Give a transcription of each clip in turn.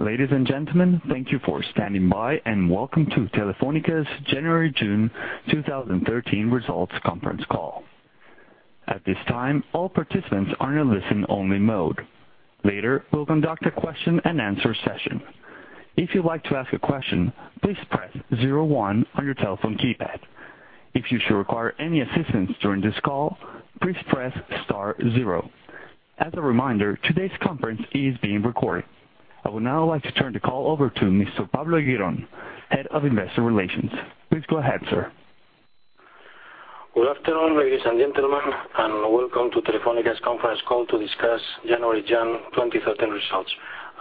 Ladies and gentlemen, thank you for standing by. Welcome to Telefónica's January-June 2013 results conference call. At this time, all participants are in listen only mode. Later, we'll conduct a question and answer session. If you'd like to ask a question, please press 01 on your telephone keypad. If you should require any assistance during this call, please press star zero. As a reminder, today's conference is being recorded. I would now like to turn the call over to Mr. Pablo Eguirón, Head of Investor Relations. Please go ahead, sir. Good afternoon, ladies and gentlemen. Welcome to Telefónica's conference call to discuss January-June 2013 results.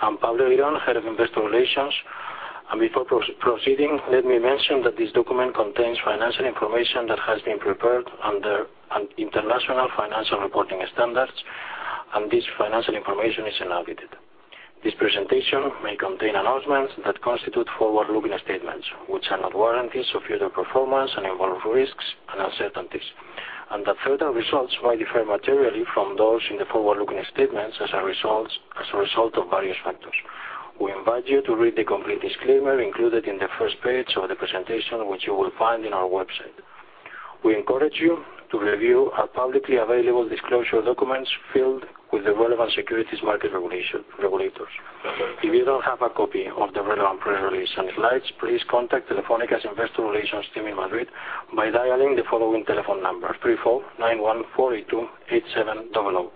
I'm Pablo Eguirón, Head of Investor Relations, and before proceeding, let me mention that this document contains financial information that has been prepared under International Financial Reporting Standards, and this financial information is unaudited. This presentation may contain announcements that constitute forward-looking statements, which are not warranties of future performance and involve risks and uncertainties, and that further results may differ materially from those in the forward-looking statements as a result of various factors. We invite you to read the complete disclaimer included in the first page of the presentation, which you will find in our website. We encourage you to review our publicly available disclosure documents filed with the relevant securities market regulators. If you don't have a copy of the relevant press release and slides, please contact Telefónica's Investor Relations Team in Madrid by dialing the following telephone number, 34 914828700.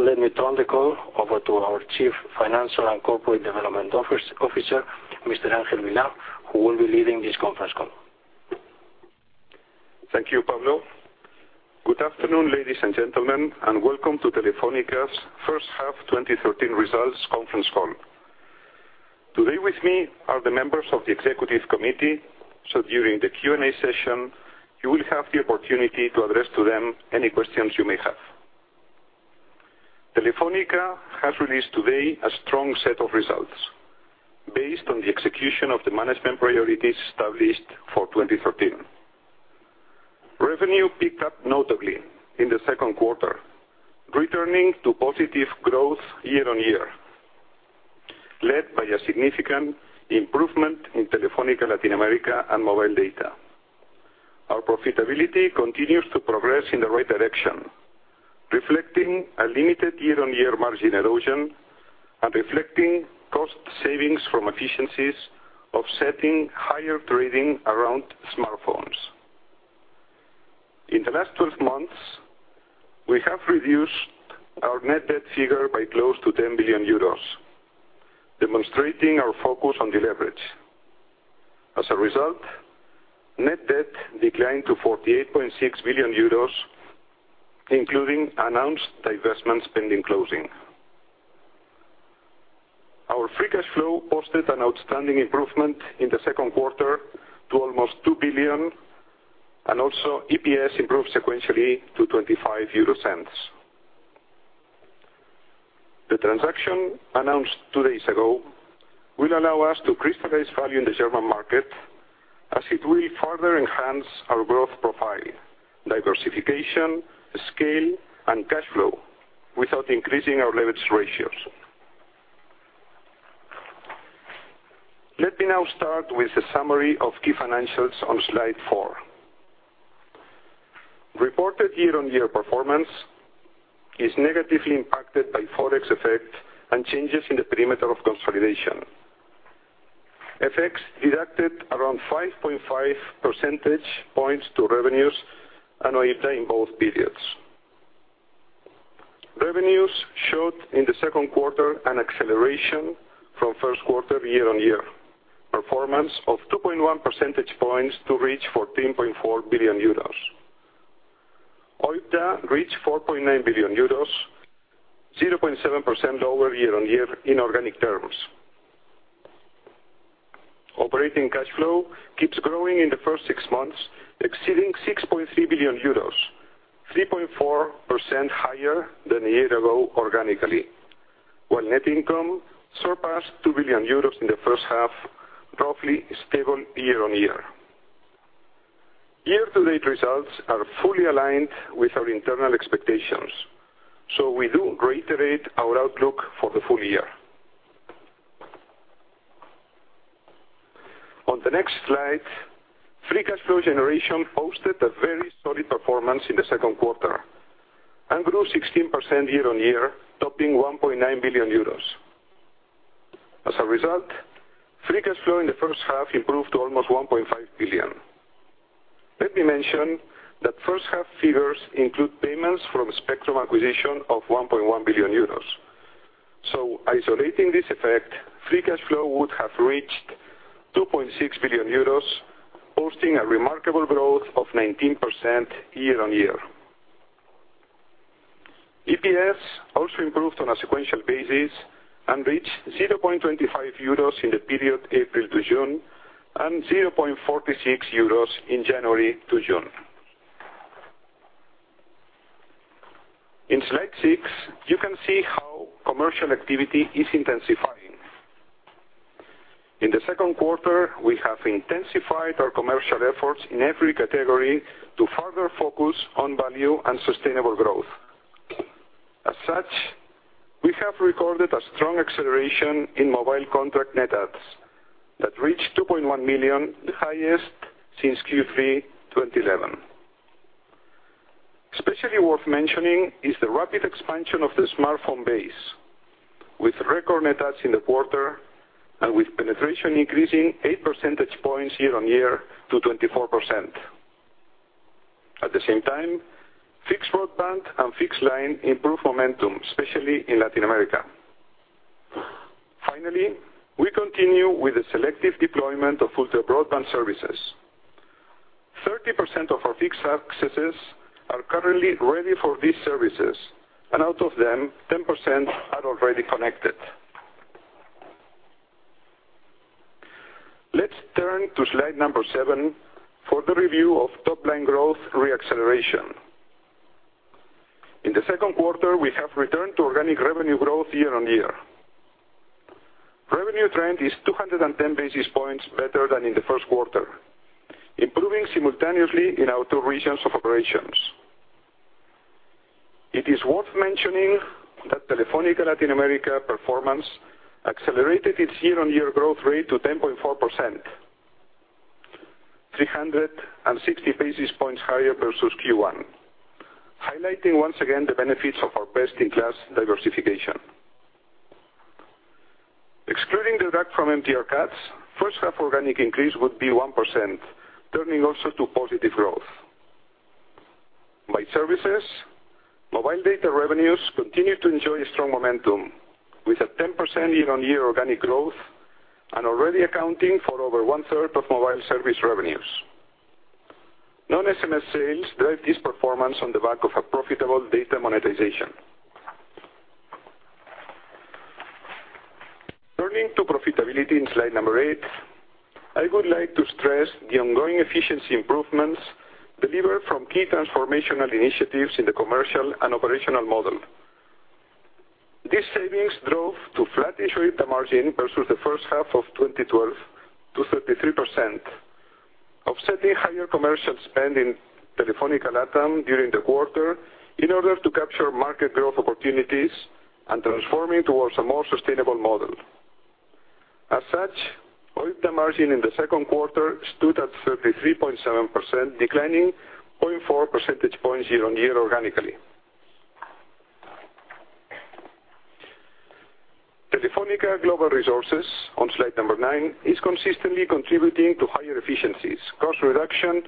Let me turn the call over to our Chief Financial and Corporate Development Officer, Mr. Ángel Vilá, who will be leading this conference call. Thank you, Pablo. Good afternoon, ladies and gentlemen, and welcome to Telefónica's first half 2013 results conference call. Today with me are the members of the Executive Committee. During the Q&A session, you will have the opportunity to address to them any questions you may have. Telefónica has released today a strong set of results based on the execution of the management priorities established for 2013. Revenue picked up notably in the second quarter, returning to positive growth year-on-year, led by a significant improvement in Telefónica Latin America and mobile data. Our profitability continues to progress in the right direction, reflecting a limited year-on-year margin erosion and reflecting cost savings from efficiencies offsetting higher trading around smartphones. In the last 12 months, we have reduced our net debt figure by close to 10 billion euros, demonstrating our focus on deleverage. As a result, net debt declined to 48.6 billion euros, including announced divestments pending closing. Our free cash flow posted an outstanding improvement in the second quarter to almost 2 billion, and EPS improved sequentially to 0.25. The transaction announced two days ago will allow us to crystallize value in the German market, as it will further enhance our growth profile, diversification, scale, and cash flow without increasing our leverage ratios. Let me now start with a summary of key financials on Slide 4. Reported year-on-year performance is negatively impacted by Forex effect and changes in the perimeter of consolidation. FX deducted around 5.5 percentage points to revenues and OIBDA in both periods. Revenues showed in the second quarter an acceleration from first quarter year-on-year performance of 2.1 percentage points to reach 14.4 billion euros. OIBDA reached 4.9 billion euros, 0.7% lower year-on-year in organic terms. Operating cash flow keeps growing in the first six months, exceeding 6.3 billion euros, 3.4% higher than a year ago organically, while net income surpassed 2 billion euros in the first half, roughly stable year-on-year. Year-to-date results are fully aligned with our internal expectations. We do reiterate our outlook for the full year. On the next slide, free cash flow generation posted a very solid performance in the second quarter and grew 16% year-on-year, topping 1.9 billion euros. As a result, free cash flow in the first half improved to almost 1.5 billion. Let me mention that first half figures include payments from spectrum acquisition of 1.1 billion euros. Isolating this effect, free cash flow would have reached 2.6 billion euros, posting a remarkable growth of 19% year-on-year. EPS also improved on a sequential basis and reached 0.25 euros in the period April to June and 0.46 euros in January to June. In Slide 6, you can see how commercial activity is intensifying. In the second quarter, we have intensified our commercial efforts in every category to further focus on value and sustainable growth. As such, we have recorded a strong acceleration in mobile contract net adds that reached 2.1 million, the highest since Q3 2011. Especially worth mentioning is the rapid expansion of the smartphone base with record net adds in the quarter, and with penetration increasing eight percentage points year-on-year to 24%. At the same time, fixed broadband and fixed line improved momentum, especially in Latin America. Finally, we continue with the selective deployment of ultra-broadband services. 30% of our fixed accesses are currently ready for these services, and out of them, 10% are already connected. Let's turn to slide number seven for the review of top-line growth re-acceleration. In the second quarter, we have returned to organic revenue growth year-on-year. Revenue trend is 210 basis points better than in the first quarter, improving simultaneously in our two regions of operations. It is worth mentioning that Telefónica Hispanoamérica performance accelerated its year-on-year growth rate to 10.4%, 360 basis points higher versus Q1, highlighting once again the benefits of our best-in-class diversification. Excluding the DUC from MTR cuts, first half organic increase would be 1%, turning also to positive growth. By services, mobile data revenues continue to enjoy strong momentum with a 10% year-on-year organic growth and already accounting for over one-third of mobile service revenues. Non-SMS sales drive this performance on the back of a profitable data monetization. Turning to profitability in slide number 8, I would like to stress the ongoing efficiency improvements delivered from key transformational initiatives in the commercial and operational model. These savings drove to flat EBITDA margin versus the first half of 2012 to 33%, offsetting higher commercial spend in Telefónica LatAm during the quarter in order to capture market growth opportunities and transforming towards a more sustainable model. As such, EBITDA margin in the second quarter stood at 33.7%, declining 0.4 percentage points year-on-year organically. Telefónica Global Solutions on slide number nine is consistently contributing to higher efficiencies, cost reduction,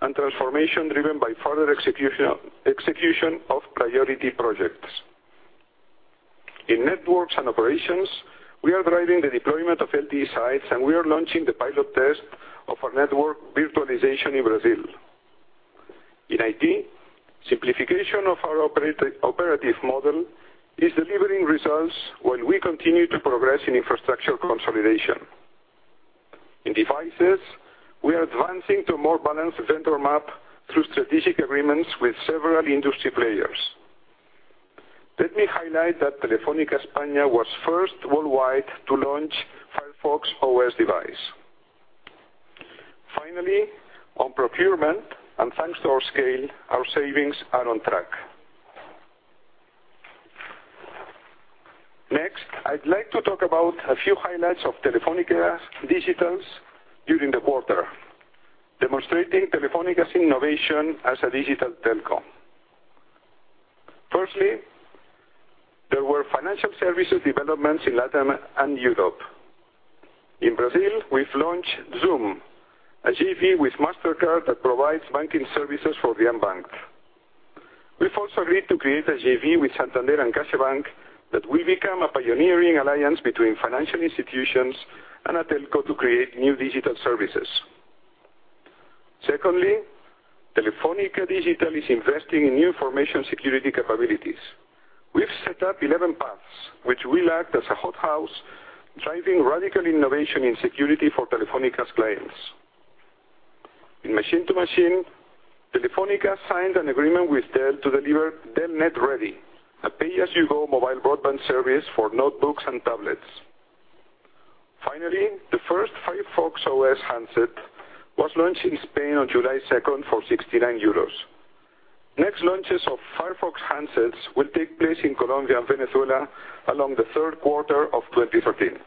and transformation driven by further execution of priority projects. In networks and operations, we are driving the deployment of LTE sites, and we are launching the pilot test of our network virtualization in Brazil. In IT, simplification of our operative model is delivering results while we continue to progress in infrastructure consolidation. In devices, we are advancing to a more balanced vendor map through strategic agreements with several industry players. Let me highlight that Telefónica España was first worldwide to launch Firefox OS device. Finally, on procurement, thanks to our scale, our savings are on track. Next, I'd like to talk about a few highlights of Telefónica Digital during the quarter, demonstrating Telefónica's innovation as a digital telco. Firstly, there were financial services developments in LatAm and Europe. In Brazil, we've launched Zuum, a JV with Mastercard that provides banking services for the unbanked. We've also agreed to create a JV with Santander and CaixaBank that will become a pioneering alliance between financial institutions and a telco to create new digital services. Secondly, Telefónica Digital is investing in new information security capabilities. We've set up ElevenPaths, which will act as a hothouse, driving radical innovation in security for Telefónica's clients. In machine-to-machine, Telefónica signed an agreement with Dell to deliver Dell NetReady, a pay-as-you-go mobile broadband service for notebooks and tablets. Finally, the first Firefox OS handset was launched in Spain on July 2nd for 69 euros. Launches of Firefox handsets will take place in Colombia and Venezuela along the third quarter of 2013.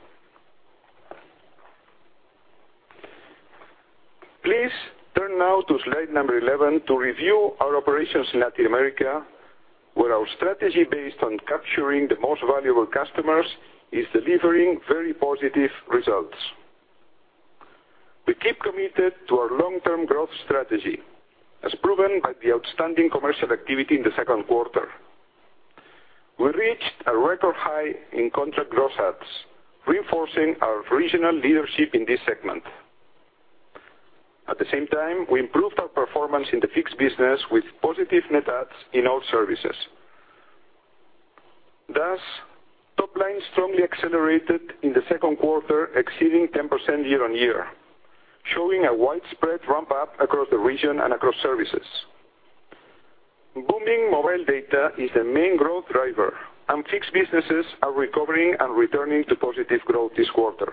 Please turn now to slide number 11 to review our operations in Latin America, where our strategy based on capturing the most valuable customers is delivering very positive results. We keep committed to our long-term growth strategy, as proven by the outstanding commercial activity in the second quarter. We reached a record high in contract gross adds, reinforcing our regional leadership in this segment. At the same time, we improved our performance in the fixed business with positive net adds in all services. Top line strongly accelerated in the second quarter, exceeding 10% year-on-year, showing a widespread ramp-up across the region and across services. Booming mobile data is the main growth driver, and fixed businesses are recovering and returning to positive growth this quarter.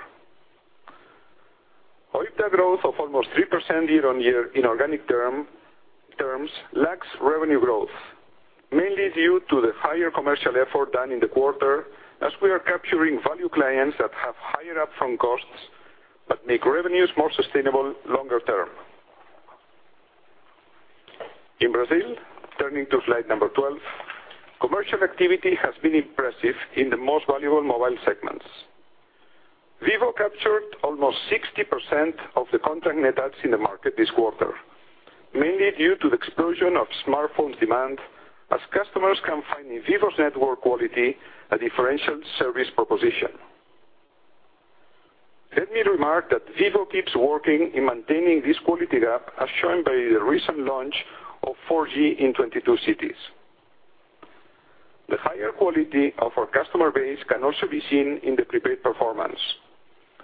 OIBDA growth of almost 3% year-on-year in organic terms lags revenue growth, mainly due to the higher commercial effort done in the quarter as we are capturing value clients that have higher upfront costs, but make revenues more sustainable longer term. In Brazil, turning to slide number 12, commercial activity has been impressive in the most valuable mobile segments. Vivo captured almost 60% of the contract net adds in the market this quarter, mainly due to the explosion of smartphone demand, as customers can find in Vivo's network quality a differential service proposition. Let me remark that Vivo keeps working in maintaining this quality gap, as shown by the recent launch of 4G in 22 cities. The higher quality of our customer base can also be seen in the prepaid performance.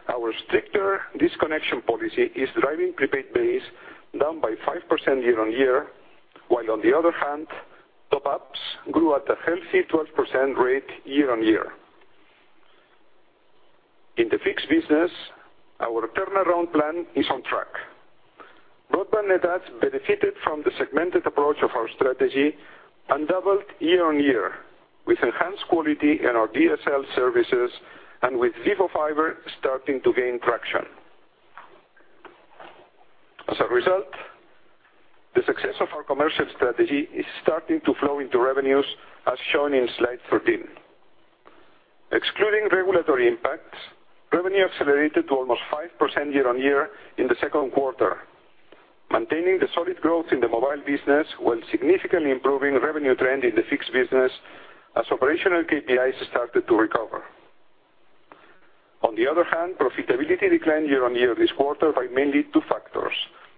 Our stricter disconnection policy is driving prepaid base down by 5% year-on-year, while on the other hand, top-ups grew at a healthy 12% rate year-on-year. In the fixed business, our turnaround plan is on track. Broadband net adds benefited from the segmented approach of our strategy and doubled year-on-year, with enhanced quality in our DSL services and with Vivo Fiber starting to gain traction. As a result, the success of our commercial strategy is starting to flow into revenues, as shown in slide 13. Excluding regulatory impacts, revenue accelerated to almost 5% year-on-year in the second quarter, maintaining the solid growth in the mobile business while significantly improving revenue trend in the fixed business as operational KPIs started to recover. On the other hand, profitability declined year-on-year this quarter by mainly two factors,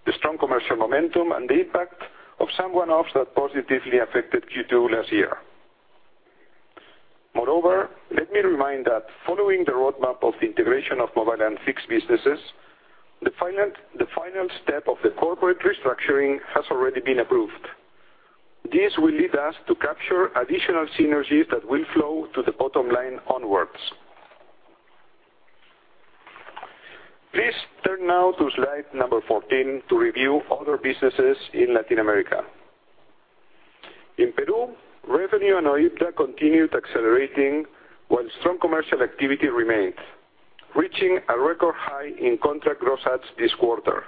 the strong commercial momentum and the impact of some one-offs that positively affected Q2 last year. Moreover, let me remind that following the roadmap of the integration of mobile and fixed businesses, the final step of the corporate restructuring has already been approved. This will lead us to capture additional synergies that will flow to the bottom line onwards. Please turn now to slide number 14 to review other businesses in Latin America. In Peru, revenue and OIBDA continued accelerating while strong commercial activity remained, reaching a record high in contract gross adds this quarter.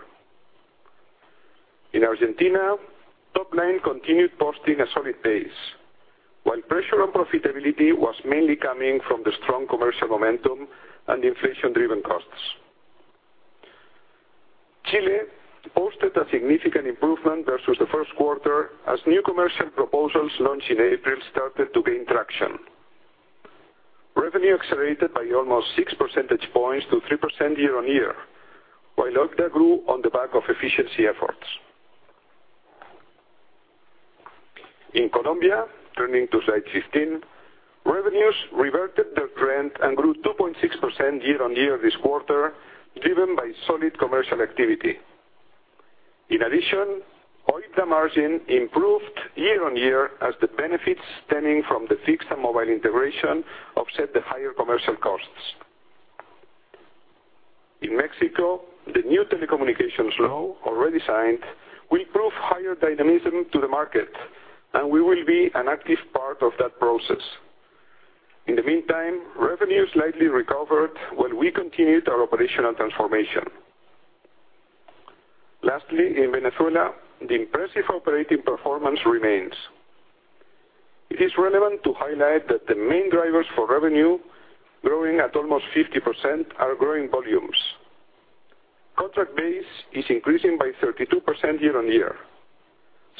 In Argentina, top line continued posting a solid pace, while pressure on profitability was mainly coming from the strong commercial momentum and inflation-driven costs. Chile posted a significant improvement versus the first quarter as new commercial proposals launched in April started to gain traction. Revenue accelerated by almost six percentage points to 3% year-on-year, while OIBDA grew on the back of efficiency efforts. In Colombia, turning to slide 15, revenues reverted their trend and grew 2.6% year-on-year this quarter, driven by solid commercial activity. In addition, OIBDA margin improved year-on-year as the benefits stemming from the fixed and mobile integration offset the higher commercial costs. In Mexico, the new telecommunications law, already signed, will prove higher dynamism to the market, and we will be an active part of that process. In the meantime, revenue slightly recovered while we continued our operational transformation. Lastly, in Venezuela, the impressive operating performance remains. It is relevant to highlight that the main drivers for revenue growing at almost 50% are growing volumes. Contract base is increasing by 32% year-on-year,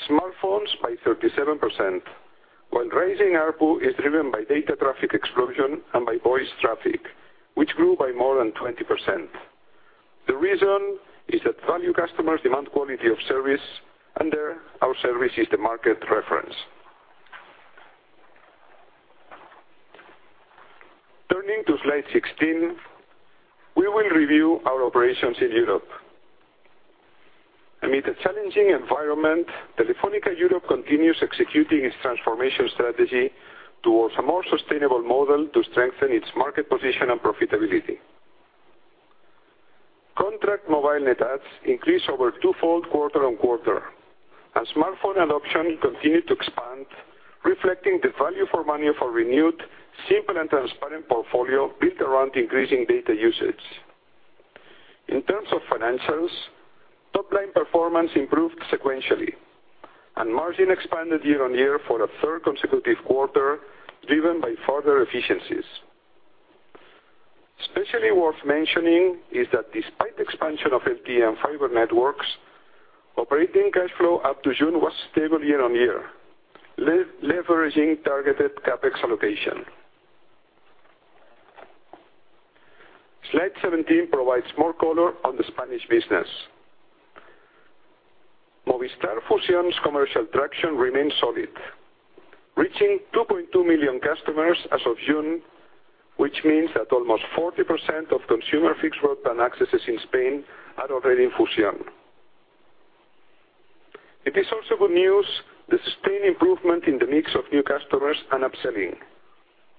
smartphones by 37%, while rising ARPU is driven by data traffic explosion and by voice traffic, which grew by more than 20%. The reason is that value customers demand quality of service, and there our service is the market reference. Turning to slide 16, we will review our operations in Europe. Amid a challenging environment, Telefónica Europe continues executing its transformation strategy towards a more sustainable model to strengthen its market position and profitability. Contract mobile net adds increased over twofold quarter-on-quarter, and smartphone adoption continued to expand, reflecting the value for money for renewed, simple, and transparent portfolio built around increasing data usage. In terms of financials, top-line performance improved sequentially, and margin expanded year-on-year for a third consecutive quarter, driven by further efficiencies. Especially worth mentioning is that despite expansion of LTE and fiber networks, operating cash flow up to June was stable year-on-year, leveraging targeted CapEx allocation. Slide 17 provides more color on the Spanish business. Movistar Fusión's commercial traction remains solid, reaching 2.2 million customers as of June, which means that almost 40% of consumer fixed broadband accesses in Spain are already in Fusión. It is also good news, the sustained improvement in the mix of new customers and upselling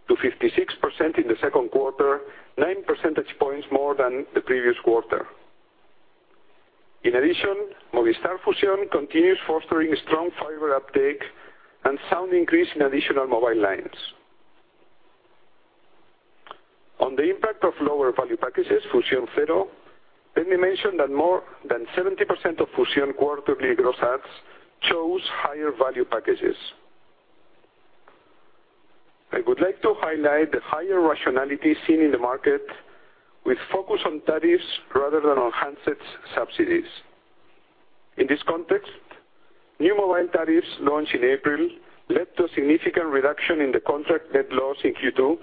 to 56% in the second quarter, 9 percentage points more than the previous quarter. Movistar Fusión continues fostering strong fiber uptake and sound increase in additional mobile lines. On the impact of lower value packages, Fusión Cero, let me mention that more than 70% of Fusión quarterly gross adds chose higher value packages. I would like to highlight the higher rationality seen in the market with focus on tariffs rather than on handsets subsidies. In this context, new mobile tariffs launched in April led to a significant reduction in the contract net loss in Q2,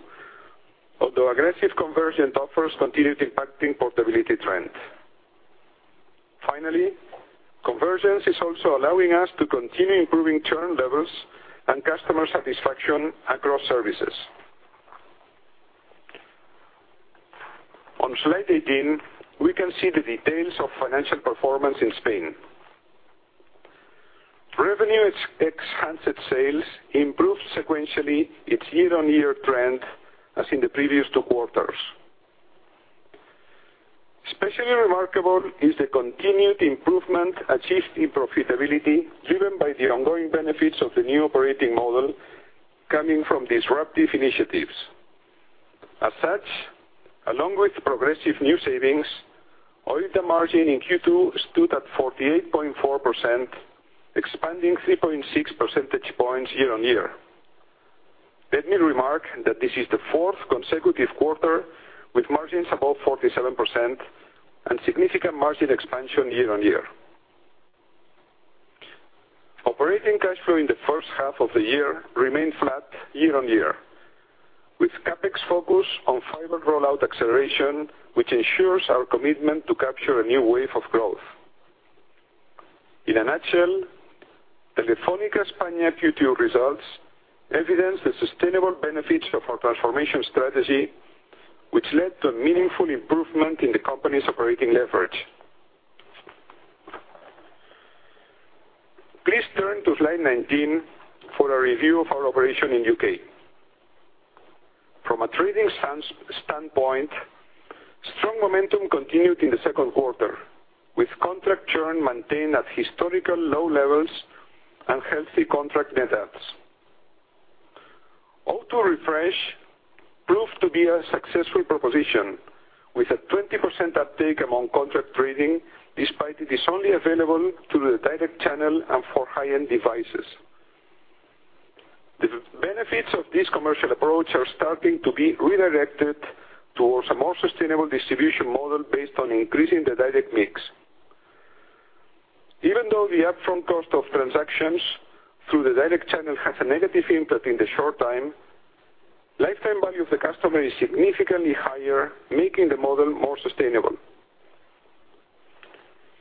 although aggressive convergent offers continued impacting portability trend. Convergence is also allowing us to continue improving churn levels and customer satisfaction across services. On slide 18, we can see the details of financial performance in Spain. Revenue ex handset sales improved sequentially its year-on-year trend as in the previous two quarters. Especially remarkable is the continued improvement achieved in profitability, driven by the ongoing benefits of the new operating model coming from disruptive initiatives. Along with progressive new savings, OIBDA margin in Q2 stood at 48.4%, expanding 3.6 percentage points year-on-year. Let me remark that this is the fourth consecutive quarter with margins above 47% and significant margin expansion year-on-year. Operating cash flow in the first half of the year remained flat year-on-year, with CapEx focus on fiber rollout acceleration, which ensures our commitment to capture a new wave of growth. Telefónica España Q2 results evidence the sustainable benefits of our transformation strategy, which led to a meaningful improvement in the company's operating leverage. Please turn to slide 19 for a review of our operation in U.K. From a trading standpoint, strong momentum continued in the second quarter, with contract churn maintained at historical low levels and healthy contract net adds. O2 Refresh proved to be a successful proposition with a 20% uptake among contract trading, despite it is only available through the direct channel and for high-end devices. The benefits of this commercial approach are starting to be redirected towards a more sustainable distribution model based on increasing the direct mix. The upfront cost of transactions through the direct channel has a negative input in the short term, lifetime value of the customer is significantly higher, making the model more sustainable.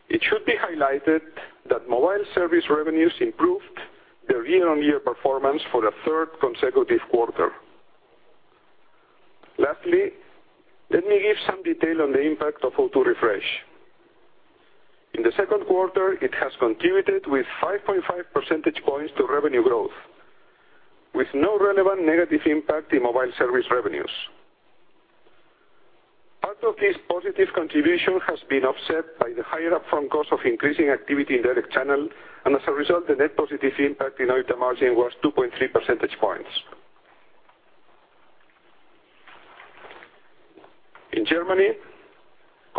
It should be highlighted that mobile service revenues improved their year-on-year performance for the third consecutive quarter. Let me give some detail on the impact of O2 Refresh. In the second quarter, it has contributed with 5.5 percentage points to revenue growth, with no relevant negative impact in mobile service revenues. Part of this positive contribution has been offset by the higher upfront cost of increasing activity in direct channel, and as a result, the net positive impact in OIBDA margin was 2.3 percentage points. In Germany,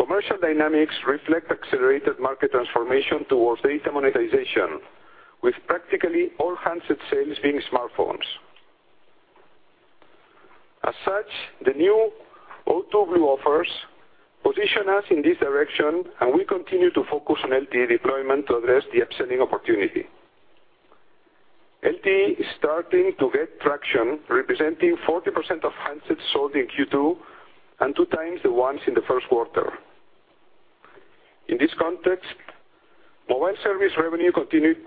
commercial dynamics reflect accelerated market transformation towards data monetization, with practically all handset sales being smartphones. As such, the new O2 Blue offers position us in this direction, and we continue to focus on LTE deployment to address the upselling opportunity. LTE is starting to get traction, representing 40% of handsets sold in Q2 and two times the ones in the first quarter. In this context, mobile service revenue continued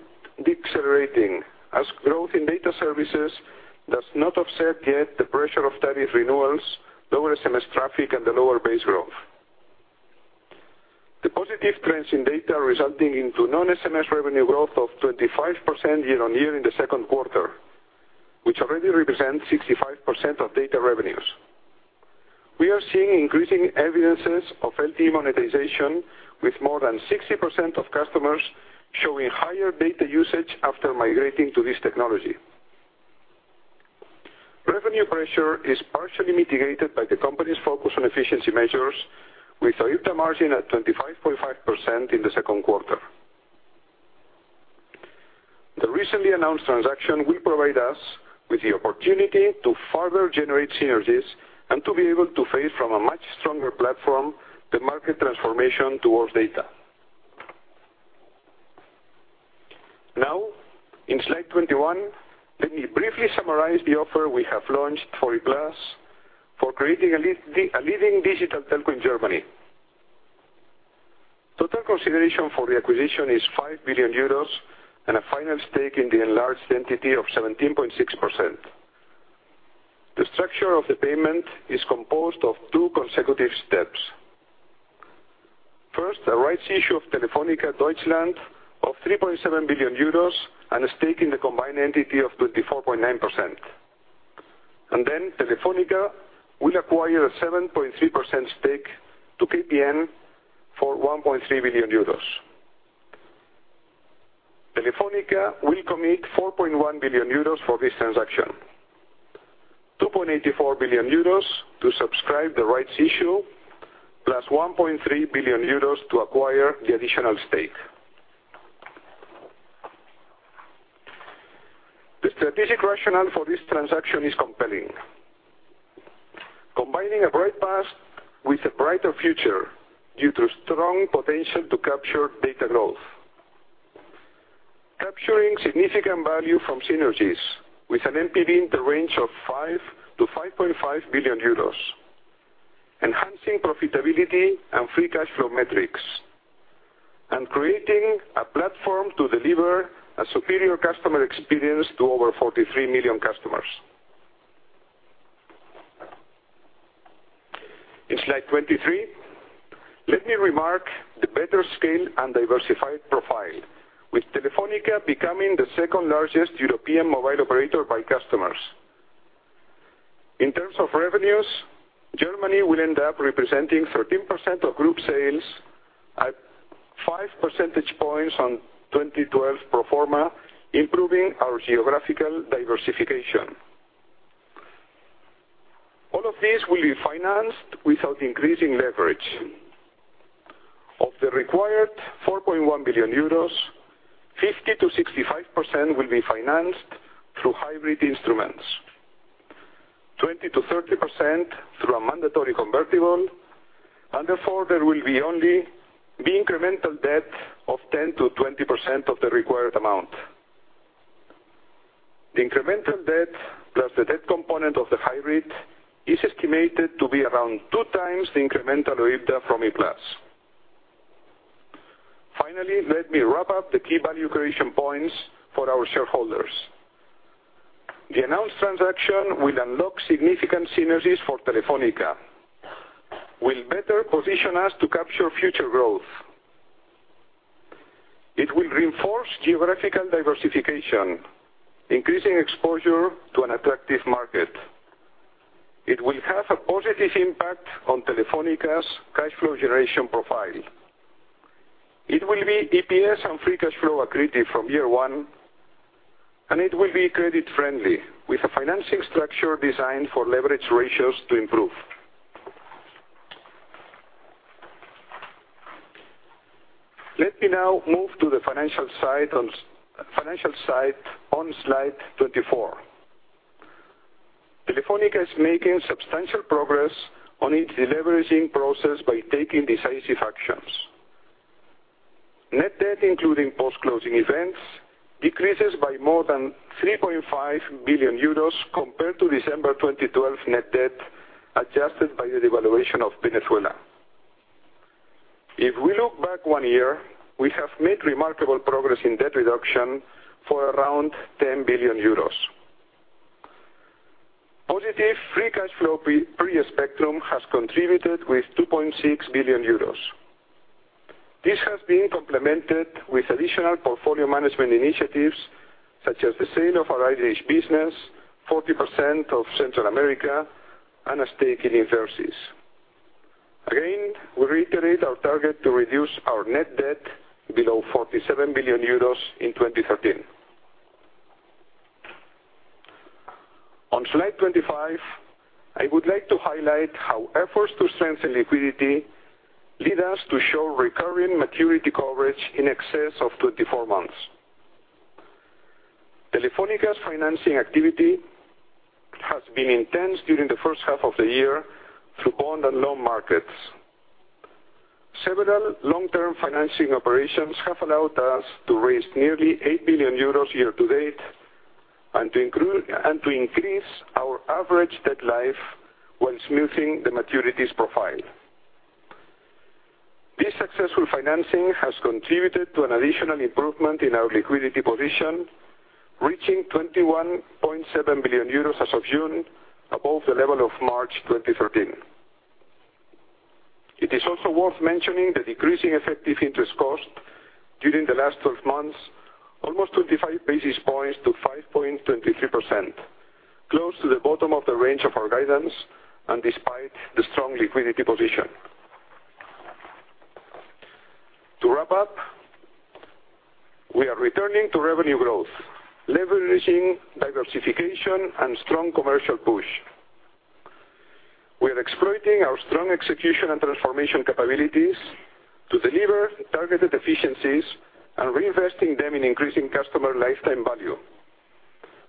decelerating as growth in data services does not offset yet the pressure of tariff renewals, lower SMS traffic, and the lower base growth. The positive trends in data resulting into non-SMS revenue growth of 25% year-on-year in the second quarter, which already represents 65% of data revenues. We are seeing increasing evidences of LTE monetization with more than 60% of customers showing higher data usage after migrating to this technology. Revenue pressure is partially mitigated by the company's focus on efficiency measures, with OIBDA margin at 25.5% in the second quarter. The recently announced transaction will provide us with the opportunity to further generate synergies and to be able to face from a much stronger platform the market transformation towards data. In slide 21, let me briefly summarize the offer we have launched for E-Plus for creating a leading digital telco in Germany. Total consideration for the acquisition is 5 billion euros and a final stake in the enlarged entity of 17.6%. The structure of the payment is composed of two consecutive steps. First, a rights issue of Telefónica Deutschland of 3.7 billion euros and a stake in the combined entity of 34.9%. Telefónica will acquire a 7.3% stake to KPN for 1.3 billion euros. Telefónica will commit 4.1 billion euros for this transaction, 2.84 billion euros to subscribe the rights issue, plus 1.3 billion euros to acquire the additional stake. The strategic rationale for this transaction is compelling. Combining a great past with a brighter future due to strong potential to capture data growth. Capturing significant value from synergies with an NPV in the range of 5 billion-5.5 billion euros. Enhancing profitability and free cash flow metrics, and creating a platform to deliver a superior customer experience to over 43 million customers. In slide 23, let me remark the better scale and diversified profile, with Telefónica becoming the second-largest European mobile operator by customers. In terms of revenues, Germany will end up representing 13% of group sales at five percentage points on 2012 pro forma, improving our geographical diversification. All of this will be financed without increasing leverage. Of the required 4.1 billion euros, 50%-65% will be financed through hybrid instruments, 20%-30% through a mandatory convertible, and therefore there will be only the incremental debt of 10%-20% of the required amount. The incremental debt, plus the debt component of the hybrid, is estimated to be around two times the incremental OIBDA from E-Plus. Finally, let me wrap up the key value creation points for our shareholders. The announced transaction will unlock significant synergies for Telefónica, will better position us to capture future growth. It will reinforce geographical diversification, increasing exposure to an attractive market. It will have a positive impact on Telefónica's cash flow generation profile. It will be EPS and free cash flow accretive from year one, and it will be credit friendly with a financing structure designed for leverage ratios to improve. Let me now move to the financial side on slide 24. Telefónica is making substantial progress on its deleveraging process by taking decisive actions. Net debt, including post-closing events, decreases by more than 3.5 billion euros compared to December 2012 net debt adjusted by the devaluation of Venezuela. If we look back one year, we have made remarkable progress in debt reduction for around 10 billion euros. Positive free cash flow pre-spectrum has contributed with 2.6 billion euros. This has been complemented with additional portfolio management initiatives, such as the sale of our Irish business, 40% of Central America, and a stake in Inversis. We reiterate our target to reduce our net debt below 47 billion euros in 2013. On slide 25, I would like to highlight how efforts to strengthen liquidity lead us to show recurring maturity coverage in excess of 24 months. Telefónica's financing activity has been intense during the first half of the year through bond and loan markets. Several long-term financing operations have allowed us to raise nearly 8 billion euros year to date and to increase our average debt life while smoothing the maturities profile. This successful financing has contributed to an additional improvement in our liquidity position, reaching 21.7 billion euros as of June, above the level of March 2013. It is also worth mentioning the decreasing effective interest cost during the last 12 months, almost 25 basis points to 5.23%, close to the bottom of the range of our guidance and despite the strong liquidity position. To wrap up, we are returning to revenue growth, leveraging diversification and strong commercial push. We are exploiting our strong execution and transformation capabilities to deliver targeted efficiencies and reinvesting them in increasing customer lifetime value,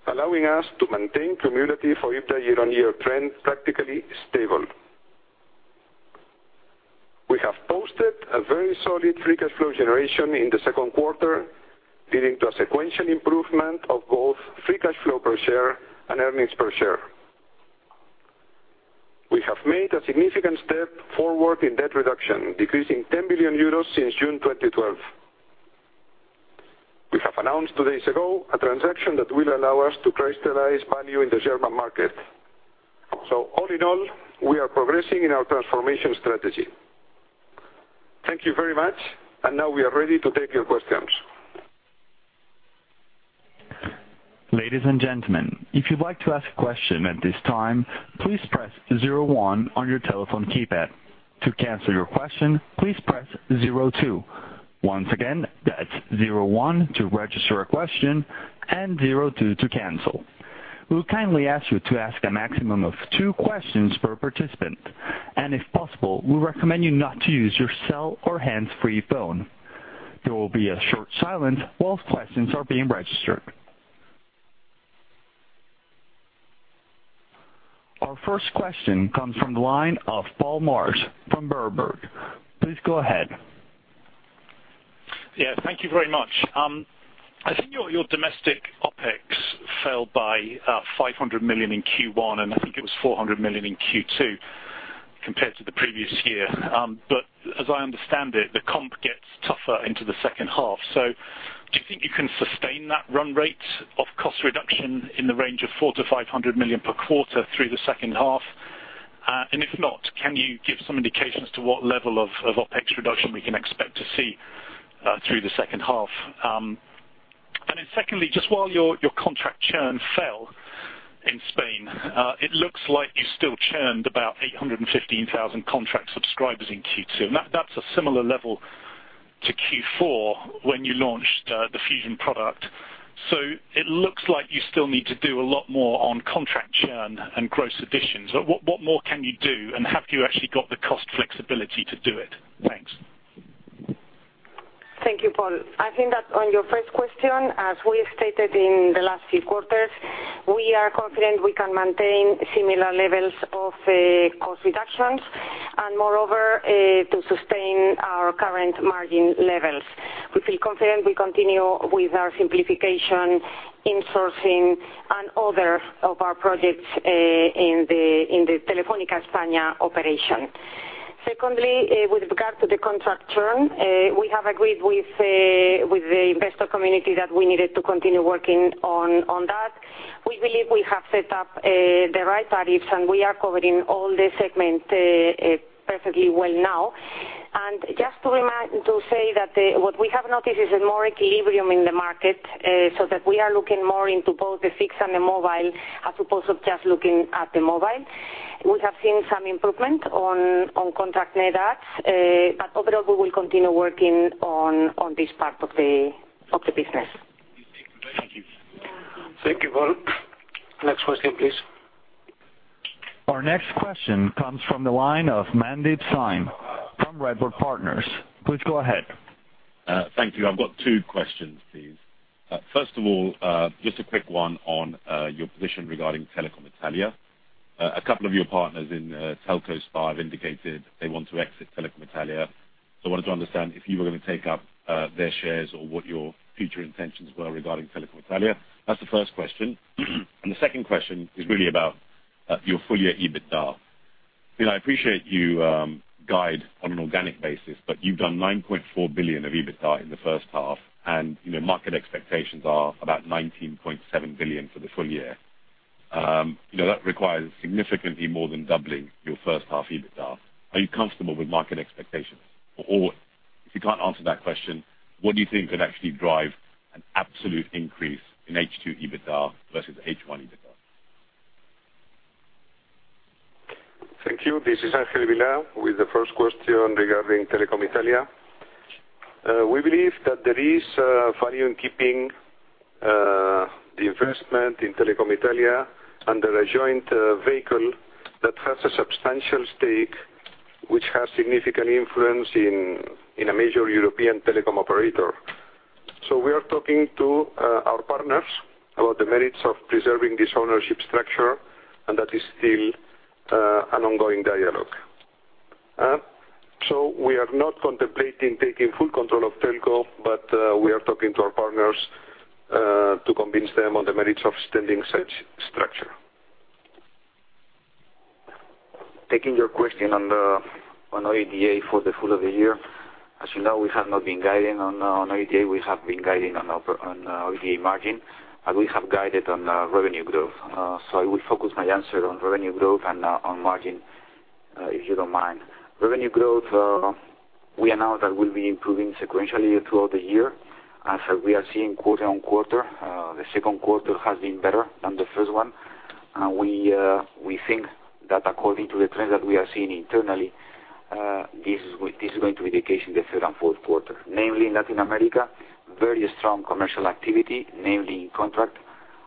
allowing us to maintain cumulative OIBDA year-on-year trend practically stable. We have posted a very solid free cash flow generation in the second quarter, leading to a sequential improvement of both free cash flow per share and earnings per share. We have made a significant step forward in debt reduction, decreasing 10 billion euros since June 2012. We have announced two days ago a transaction that will allow us to crystallize value in the German market. So all in all, we are progressing in our transformation strategy. Thank you very much, and now we are ready to take your questions. Ladies and gentlemen, if you'd like to ask a question at this time, please press 01 on your telephone keypad. To cancel your question, please press 02. Once again, that's 01 to register a question and 02 to cancel. We will kindly ask you to ask a maximum of two questions per participant, and if possible, we recommend you not to use your cell or hands-free phone. There will be a short silence while questions are being registered. Our first question comes from the line of Paul Marsch from Berenberg. Please go ahead. Yeah, thank you very much. I think your domestic OpEx fell by 500 million in Q1, and I think it was 400 million in Q2, compared to the previous year. As I understand it, the comp gets tougher into the second half. Do you think you can sustain that run rate of cost reduction in the range of 400 million-500 million per quarter through the second half? If not, can you give some indications to what level of OpEx reduction we can expect to see through the second half? Secondly, just while your contract churn fell in Spain, it looks like you still churned about 815,000 contract subscribers in Q2. That's a similar level to Q4 when you launched the Fusión product. It looks like you still need to do a lot more on contract churn and gross additions. What more can you do, and have you actually got the cost flexibility to do it? Thanks. Thank you, Paul. I think that on your first question, as we stated in the last few quarters, we are confident we can maintain similar levels of cost reductions, and moreover, to sustain our current margin levels. We feel confident we continue with our simplification, insourcing, and other of our projects in the Telefónica España operation. Secondly, with regard to the contract churn, we have agreed with the investor community that we needed to continue working on that. We believe we have set up the right tariffs, and we are covering all the segments perfectly well now. Just to say that what we have noticed is more equilibrium in the market, so that we are looking more into both the fixed and the mobile, as opposed of just looking at the mobile. We have seen some improvement on contract net adds, but overall, we will continue working on this part of the business. Thank you. Thank you, Paul Marsch. Next question, please. Our next question comes from the line of Mandeep Singh from Redburn Partners. Please go ahead. Thank you. I've got two questions, please. First of all, just a quick one on your position regarding Telecom Italia. A couple of your partners in Telco SpA have indicated they want to exit Telecom Italia. I wanted to understand if you were going to take up their shares or what your future intentions were regarding Telecom Italia. That's the first question. The second question is really about your full year EBITDA. I appreciate you guide on an organic basis, but you've done 9.4 billion of EBITDA in the first half, and market expectations are about 19.7 billion for the full year. That requires significantly more than doubling your first half EBITDA. Are you comfortable with market expectations? If you can't answer that question, what do you think could actually drive an absolute increase in H2 EBITDA versus H1 EBITDA? Thank you. This is Ángel Vilá. With the first question regarding Telecom Italia. We believe that there is value in keeping the investment in Telecom Italia under a joint vehicle that has a substantial stake, which has significant influence in a major European telecom operator. We are talking to our partners about the merits of preserving this ownership structure, and that is still an ongoing dialogue. We are not contemplating taking full control of Telco, but we are talking to our partners to convince them on the merits of standing such structure. Taking your question on the OIBDA for the full of the year. As you know, we have not been guiding on OIBDA. We have been guiding on OIBDA margin, and we have guided on revenue growth. I will focus my answer on revenue growth and on margin, if you don't mind. Revenue growth, we announced that we'll be improving sequentially throughout the year. As we are seeing quarter-on-quarter, the second quarter has been better than the first one. We think that according to the trends that we are seeing internally, this is going to be the case in the third and fourth quarter, namely in Latin America, very strong commercial activity, namely in contract,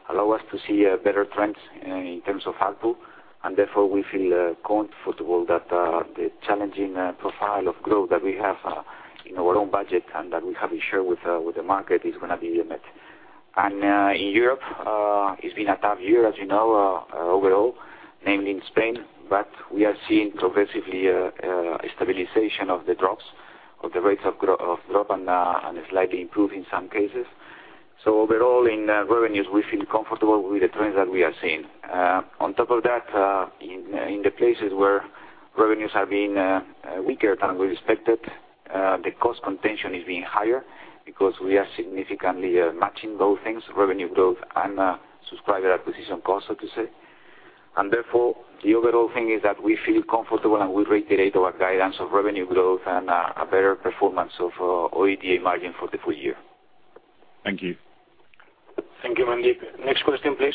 allow us to see better trends in terms of ARPU, and therefore, we feel comfortable that the challenging profile of growth that we have in our own budget and that we have shared with the market is going to be met. In Europe, it's been a tough year, as you know, overall, namely in Spain, but we are seeing progressively a stabilization of the drops, of the rates of drop and a slightly improve in some cases. Overall in revenues, we feel comfortable with the trends that we are seeing. On top of that, in the places where revenues have been weaker than we expected, the cost contention is being higher because we are significantly matching both things, revenue growth and subscriber acquisition cost, so to say. Therefore, the overall thing is that we feel comfortable, and we reiterate our guidance of revenue growth and a better performance of OIBDA margin for the full year. Thank you. Thank you, Mandeep. Next question, please.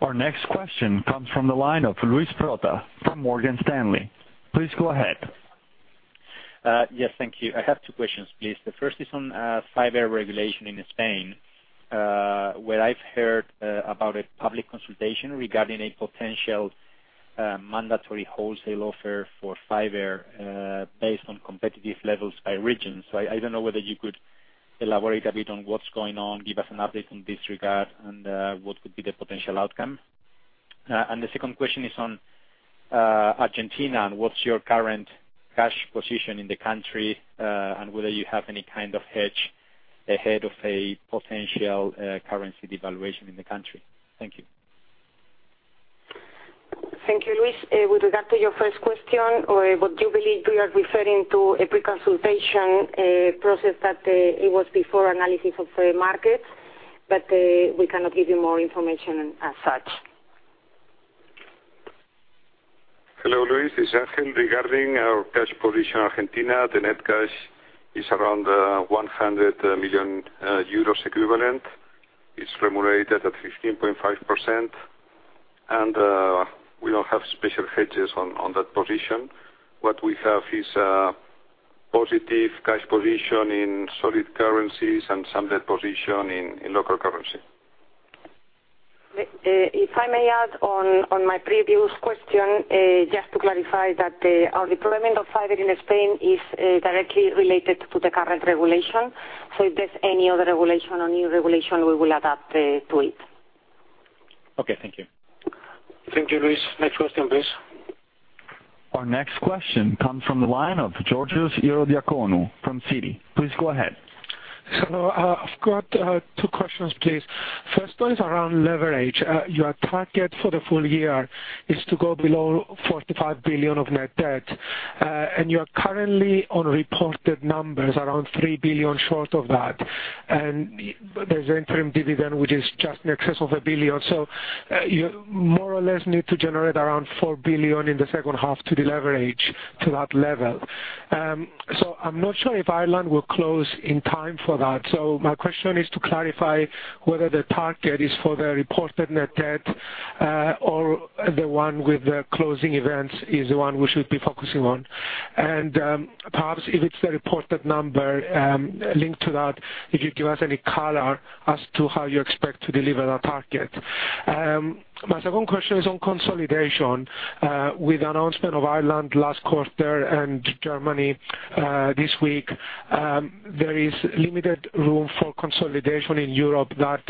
Our next question comes from the line of Luis Prota from Morgan Stanley. Please go ahead. Yes, thank you. I have two questions, please. The first is on fiber regulation in Spain, where I've heard about a public consultation regarding a potential mandatory wholesale offer for fiber, based on competitive levels by region. I don't know whether you could elaborate a bit on what's going on, give us an update in this regard, and what could be the potential outcome. The second question is on Argentina, and what's your current cash position in the country, and whether you have any kind of hedge ahead of a potential currency devaluation in the country. Thank you. Thank you, Luis. With regard to your first question, what you believe we are referring to a pre-consultation process that it was before analysis of the market, we cannot give you more information as such. Hello, Luis. It's Ángel. Regarding our cash position Argentina, the net cash is around 100 million euros equivalent. It's remunerated at 15.5%, we don't have special hedges on that position. What we have is a positive cash position in solid currencies and some net position in local currency. If I may add on my previous question, just to clarify that our deployment of fiber in Spain is directly related to the current regulation. If there's any other regulation or new regulation, we will adapt to it. Okay. Thank you. Thank you, Luis. Next question, please. Our next question comes from the line of Georgios Ierodiakonou from Citi. Please go ahead. Hello. I've got two questions, please. First one is around leverage. Your target for the full year is to go below 45 billion of net debt. You are currently on reported numbers around 3 billion short of that. There's interim dividend, which is just in excess of 1 billion. You more or less need to generate around 4 billion in the second half to deleverage to that level. I'm not sure if Ireland will close in time for that. My question is to clarify whether the target is for the reported net debt, or the one with the closing events is the one we should be focusing on. Perhaps if it's the reported number, linked to that, if you could give us any color as to how you expect to deliver that target. My second question is on consolidation. With the announcement of Ireland last quarter and Germany this week, there is limited room for consolidation in Europe that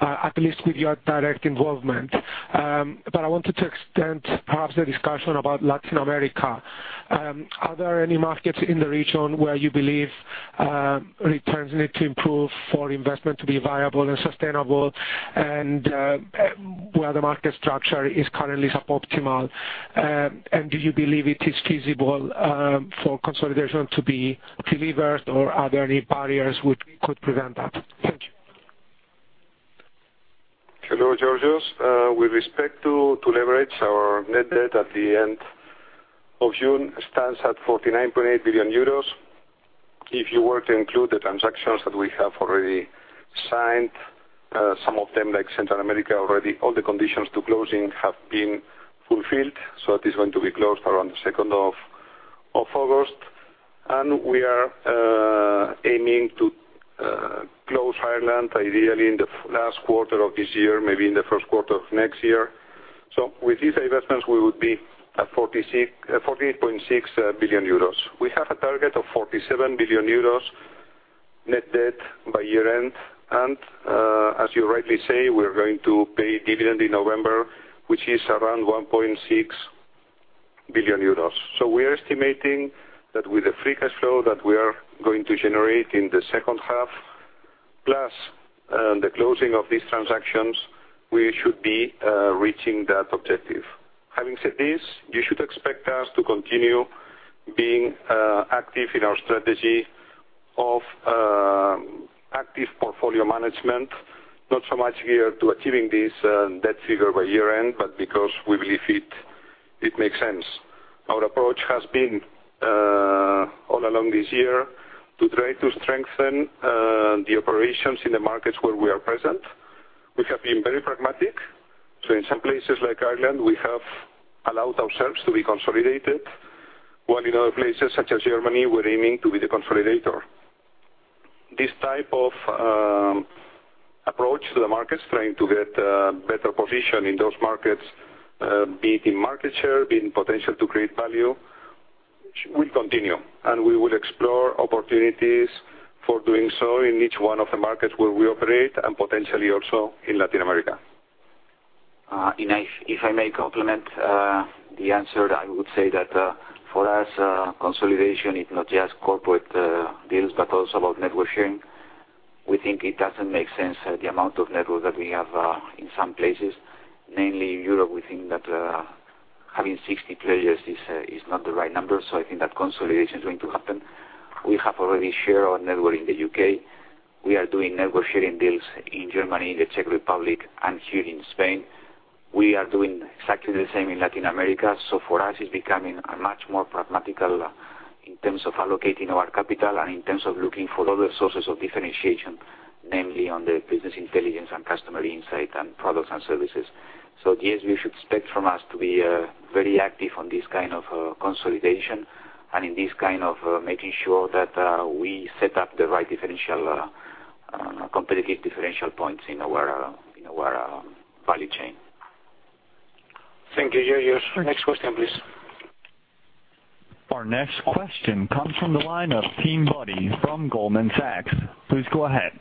at least with your direct involvement. I wanted to extend perhaps the discussion about Latin America. Are there any markets in the region where you believe returns need to improve for investment to be viable and sustainable, and where the market structure is currently suboptimal? Do you believe it is feasible for consolidation to be delivered, or are there any barriers which could prevent that? Thank you. Hello, Georgios. With respect to leverage, our net debt at the end of June stands at €49.8 billion. If you were to include the transactions that we have already signed, some of them like Central America already, all the conditions to closing have been fulfilled. It is going to be closed around the 2nd of August. We are aiming to close Ireland ideally in the last quarter of this year, maybe in the first quarter of next year. With these investments, we would be at €48.6 billion. We have a target of €47 billion net debt by year-end. As you rightly say, we're going to pay dividend in November, which is around €1.6 billion. We are estimating that with the free cash flow that we are going to generate in the second half, plus the closing of these transactions, we should be reaching that objective. Having said this, you should expect us to continue being active in our strategy of active portfolio management, not so much here to achieving this net figure by year-end, but because we believe it makes sense. Our approach has been, all along this year, to try to strengthen the operations in the markets where we are present. We have been very pragmatic. In some places like Ireland, we have allowed ourselves to be consolidated, while in other places such as Germany, we're aiming to be the consolidator. This type of approach to the markets, trying to get a better position in those markets, be it in market share, be it in potential to create value, will continue, and we will explore opportunities for doing so in each one of the markets where we operate and potentially also in Latin America. If I may complement the answer, I would say that for us, consolidation is not just corporate deals, but also about network sharing. We think it doesn't make sense the amount of network that we have in some places. Mainly in Europe, we think that having 60 players is not the right number. I think that consolidation is going to happen. We have already shared our network in the U.K. We are doing network sharing deals in Germany, the Czech Republic, and here in Spain. We are doing exactly the same in Latin America. For us, it's becoming much more pragmatical in terms of allocating our capital and in terms of looking for other sources of differentiation, namely on the business intelligence and customer insight and products and services. Yes, you should expect from us to be very active on this kind of consolidation and in this kind of making sure that we set up the right competitive differential points in our value chain. Thank you, Georgios. Next question, please. Our next question comes from the line of Tim Boddy from Goldman Sachs. Please go ahead.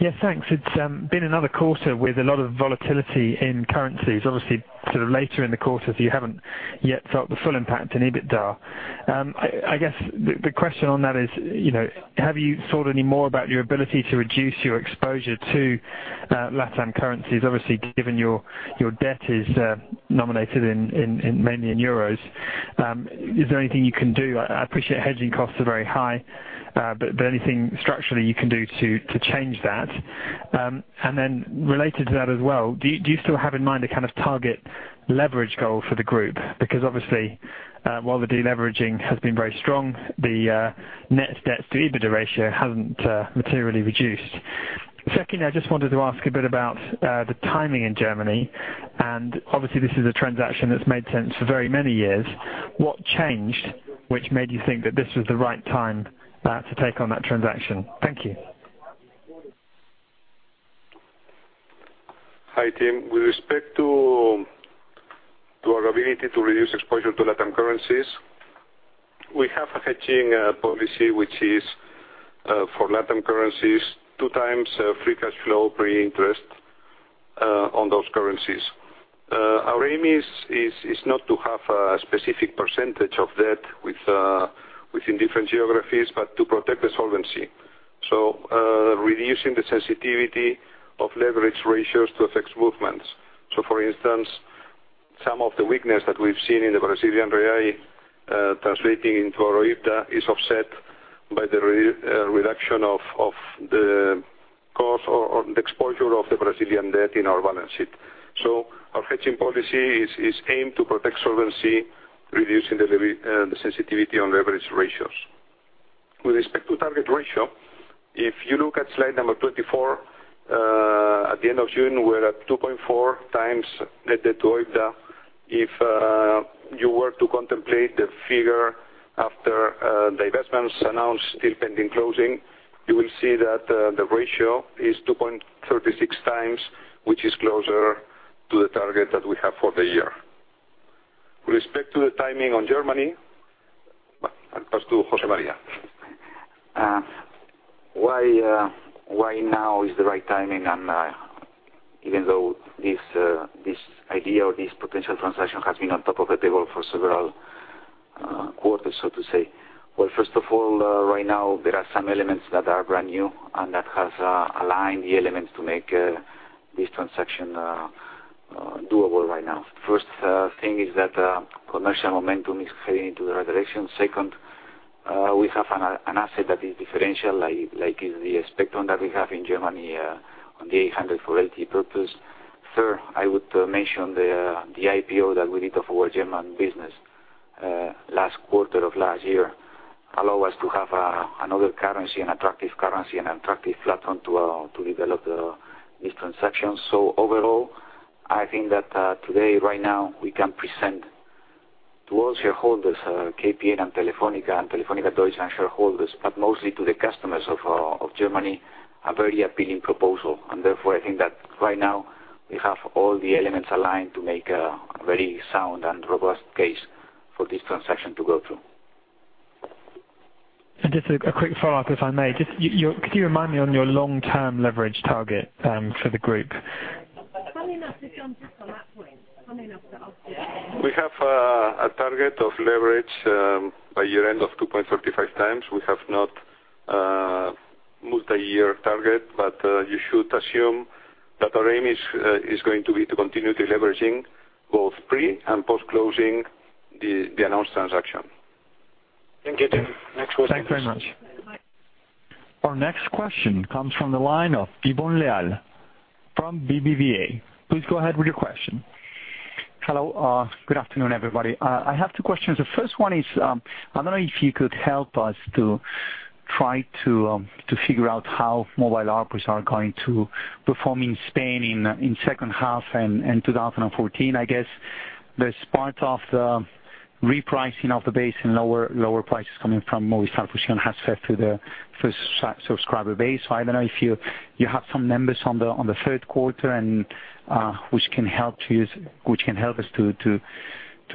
Yes, thanks. It's been another quarter with a lot of volatility in currencies. Obviously, later in the quarter, so you haven't yet felt the full impact in EBITDA. I guess the question on that is, have you thought any more about your ability to reduce your exposure to LatAm currencies? Obviously, given your debt is nominated mainly in euros. Is there anything you can do? I appreciate hedging costs are very high, but anything structurally you can do to change that? Then related to that as well, do you still have in mind a target leverage goal for the group? Because obviously, while the deleveraging has been very strong, the net debt to EBITDA ratio hasn't materially reduced. Secondly, I just wanted to ask a bit about the timing in Germany, and obviously, this is a transaction that's made sense for very many years. What changed, which made you think that this was the right time to take on that transaction? Thank you. Hi, Tim. With respect to our ability to reduce exposure to LatAm currencies, we have a hedging policy which is for LatAm currencies, two times free cash flow pre-interest on those currencies. Our aim is not to have a specific percentage of debt within different geographies, but to protect the solvency. Reducing the sensitivity of leverage ratios to effects movements. For instance, some of the weakness that we've seen in the Brazilian real translating into our EBITDA is offset by the reduction of the cost or the exposure of the Brazilian debt in our balance sheet. Our hedging policy is aimed to protect solvency, reducing the sensitivity on leverage ratios. With respect to target ratio, if you look at slide number 24, at the end of June, we're at 2.4 times net debt to EBITDA. If you were to contemplate the figure after the investments announced, still pending closing, you will see that the ratio is 2.36 times, which is closer to the target that we have for the year. With respect to the timing on Germany, I'll pass to José María. Why now is the right timing, even though this idea or this potential transaction has been on top of the table for several quarters, so to say. First of all, right now, there are some elements that are brand new, that has aligned the elements to make this transaction doable right now. First thing is that commercial momentum is heading into the right direction. Second, we have an asset that is differential, like is the spectrum that we have in Germany on the 800 for LTE purpose. Third, I would mention the IPO that we did for our German business last quarter of last year allow us to have another currency, an attractive currency and attractive platform to develop this transaction. Overall, I think that today, right now, we can present to all shareholders, KPN and Telefónica, and Telefónica Deutschland shareholders, but mostly to the customers of Germany, a very appealing proposal. Therefore, I think that right now we have all the elements aligned to make a very sound and robust case for this transaction to go through. Just a quick follow-up, if I may. Could you remind me on your long-term leverage target for the group? We have a target of leverage by year-end of 2.35 times. You should assume that our aim is going to be to continue deleveraging both pre and post-closing the announced transaction. Thank you, Tim. Next question. Thanks very much. Our next question comes from the line of Iván Leal from BBVA. Please go ahead with your question. Hello. Good afternoon, everybody. I have two questions. The first one is, I don't know if you could help us to try to figure out how mobile ARPU is going to perform in Spain in second half and 2014. I guess there's part of the repricing of the base and lower prices coming from mobile service has to the first subscriber base. I don't know if you have some numbers on the third quarter which can help us to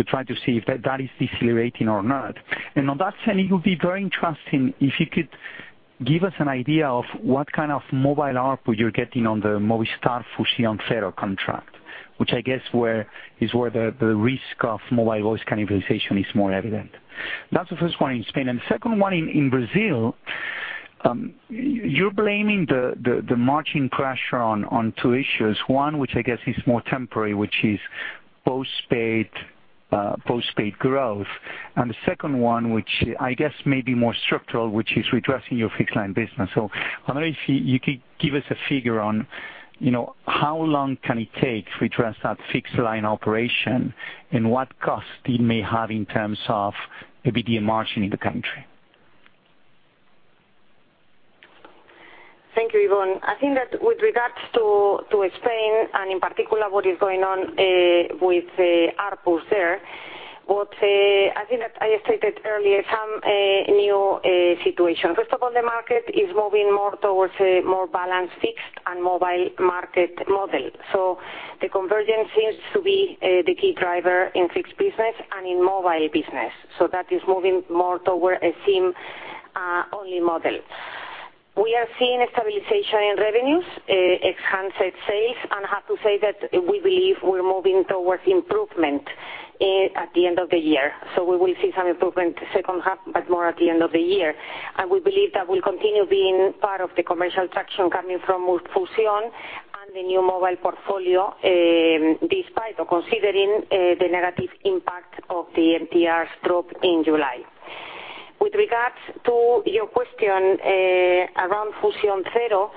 try to see if that is decelerating or not. On that sense, it would be very interesting if you could give us an idea of what kind of mobile ARPU you're getting on the Movistar Fusión Cero contract, which I guess is where the risk of mobile voice cannibalization is more evident. That's the first one in Spain. The second one in Brazil, you're blaming the margin pressure on two issues. One, which I guess is more temporary, which is postpaid growth, and the second one, which I guess may be more structural, which is redressing your fixed line business. I wonder if you could give us a figure on how long can it take to address that fixed line operation and what cost it may have in terms of EBITDA margin in the country. Thank you, Iván. I think that with regards to Spain and in particular what is going on with the ARPUs there, what I think that I stated earlier, some new situation. First of all, the market is moving more towards a more balanced fixed and mobile market model. The convergence seems to be the key driver in fixed business and in mobile business. That is moving more toward a SIM-only model. We are seeing stabilization in revenues, it's handset sales, and I have to say that we believe we're moving towards improvement at the end of the year. We will see some improvement second half, but more at the end of the year. We believe that will continue being part of the commercial traction coming from Movistar Fusión and the new mobile portfolio, despite or considering the negative impact of the MTR drop in July. With regards to your question around Fusión Cero,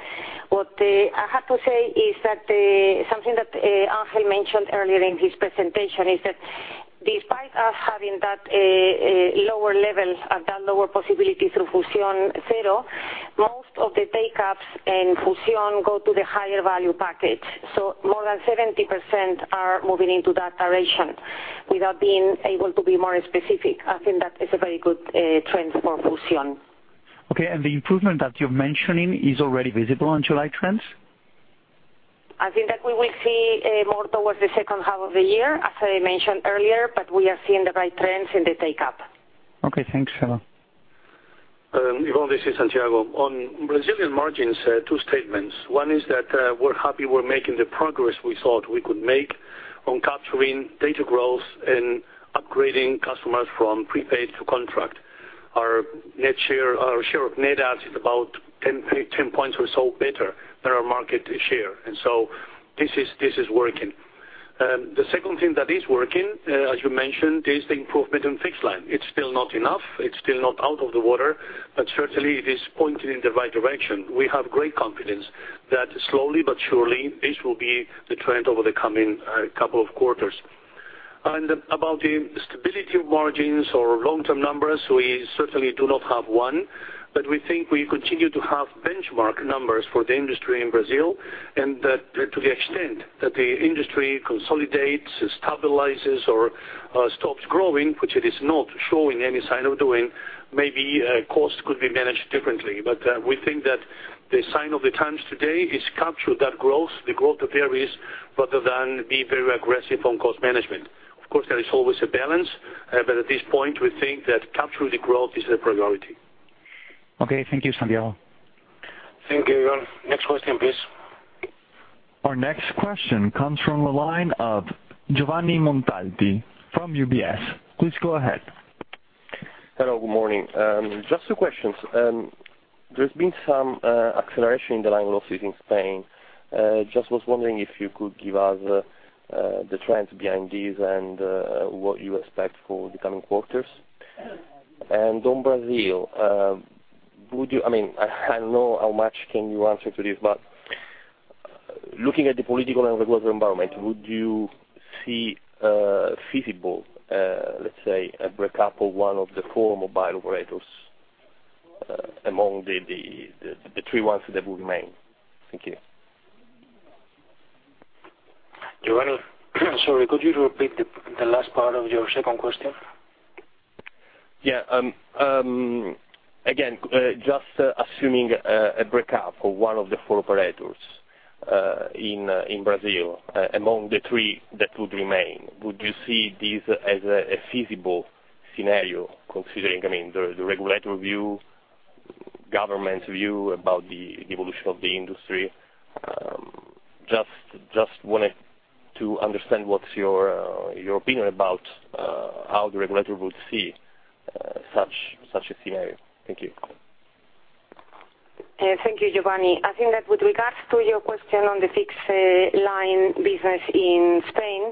what I have to say is that something that Ángel mentioned earlier in his presentation is that despite us having that lower level, that lower possibility through Fusión Cero, most of the takeups in Fusión go to the higher value package. More than 70% are moving into that direction. Without being able to be more specific, I think that is a very good trend for Fusión. Okay, the improvement that you're mentioning is already visible on July trends? I think that we will see more towards the second half of the year, as I mentioned earlier, we are seeing the right trends in the takeup. Okay, thanks, Eva. Iván, this is Santiago. On Brazilian margins, two statements. One is that we're happy we're making the progress we thought we could make on capturing data growth and upgrading customers from prepaid to contract. Our share of net adds is about 10 points or so better than our market share. This is working. The second thing that is working, as you mentioned, is the improvement in fixed line. It's still not enough, it's still not out of the water, certainly it is pointing in the right direction. We have great confidence that slowly but surely, this will be the trend over the coming couple of quarters. About the stability of margins or long-term numbers, we certainly do not have one. We think we continue to have benchmark numbers for the industry in Brazil, that to the extent that the industry consolidates, stabilizes, or stops growing, which it is not showing any sign of doing, maybe costs could be managed differently. We think that the sign of the times today is capture that growth, the growth there is, rather than be very aggressive on cost management. Of course, there is always a balance, but at this point, we think that capturing the growth is a priority. Okay. Thank you, Santiago. Thank you, Iván. Next question, please. Our next question comes from the line of Giovanni Montalti from UBS. Please go ahead. Hello, good morning. Just two questions. There's been some acceleration in the line losses in Spain. Just was wondering if you could give us the trends behind this and what you expect for the coming quarters. On Brazil, I know how much can you answer to this, but looking at the political and regulatory environment, would you see feasible, let's say, a breakup of one of the four mobile operators among the three ones that will remain? Thank you. Giovanni, sorry, could you repeat the last part of your second question? Yeah. Again, just assuming a breakup of one of the four operators in Brazil, among the three that would remain, would you see this as a feasible scenario, considering the regulatory view, government view about the evolution of the industry? Just wanted to understand what's your opinion about how the regulator would see such a scenario. Thank you. Thank you, Giovanni. I think that with regards to your question on the fixed line business in Spain,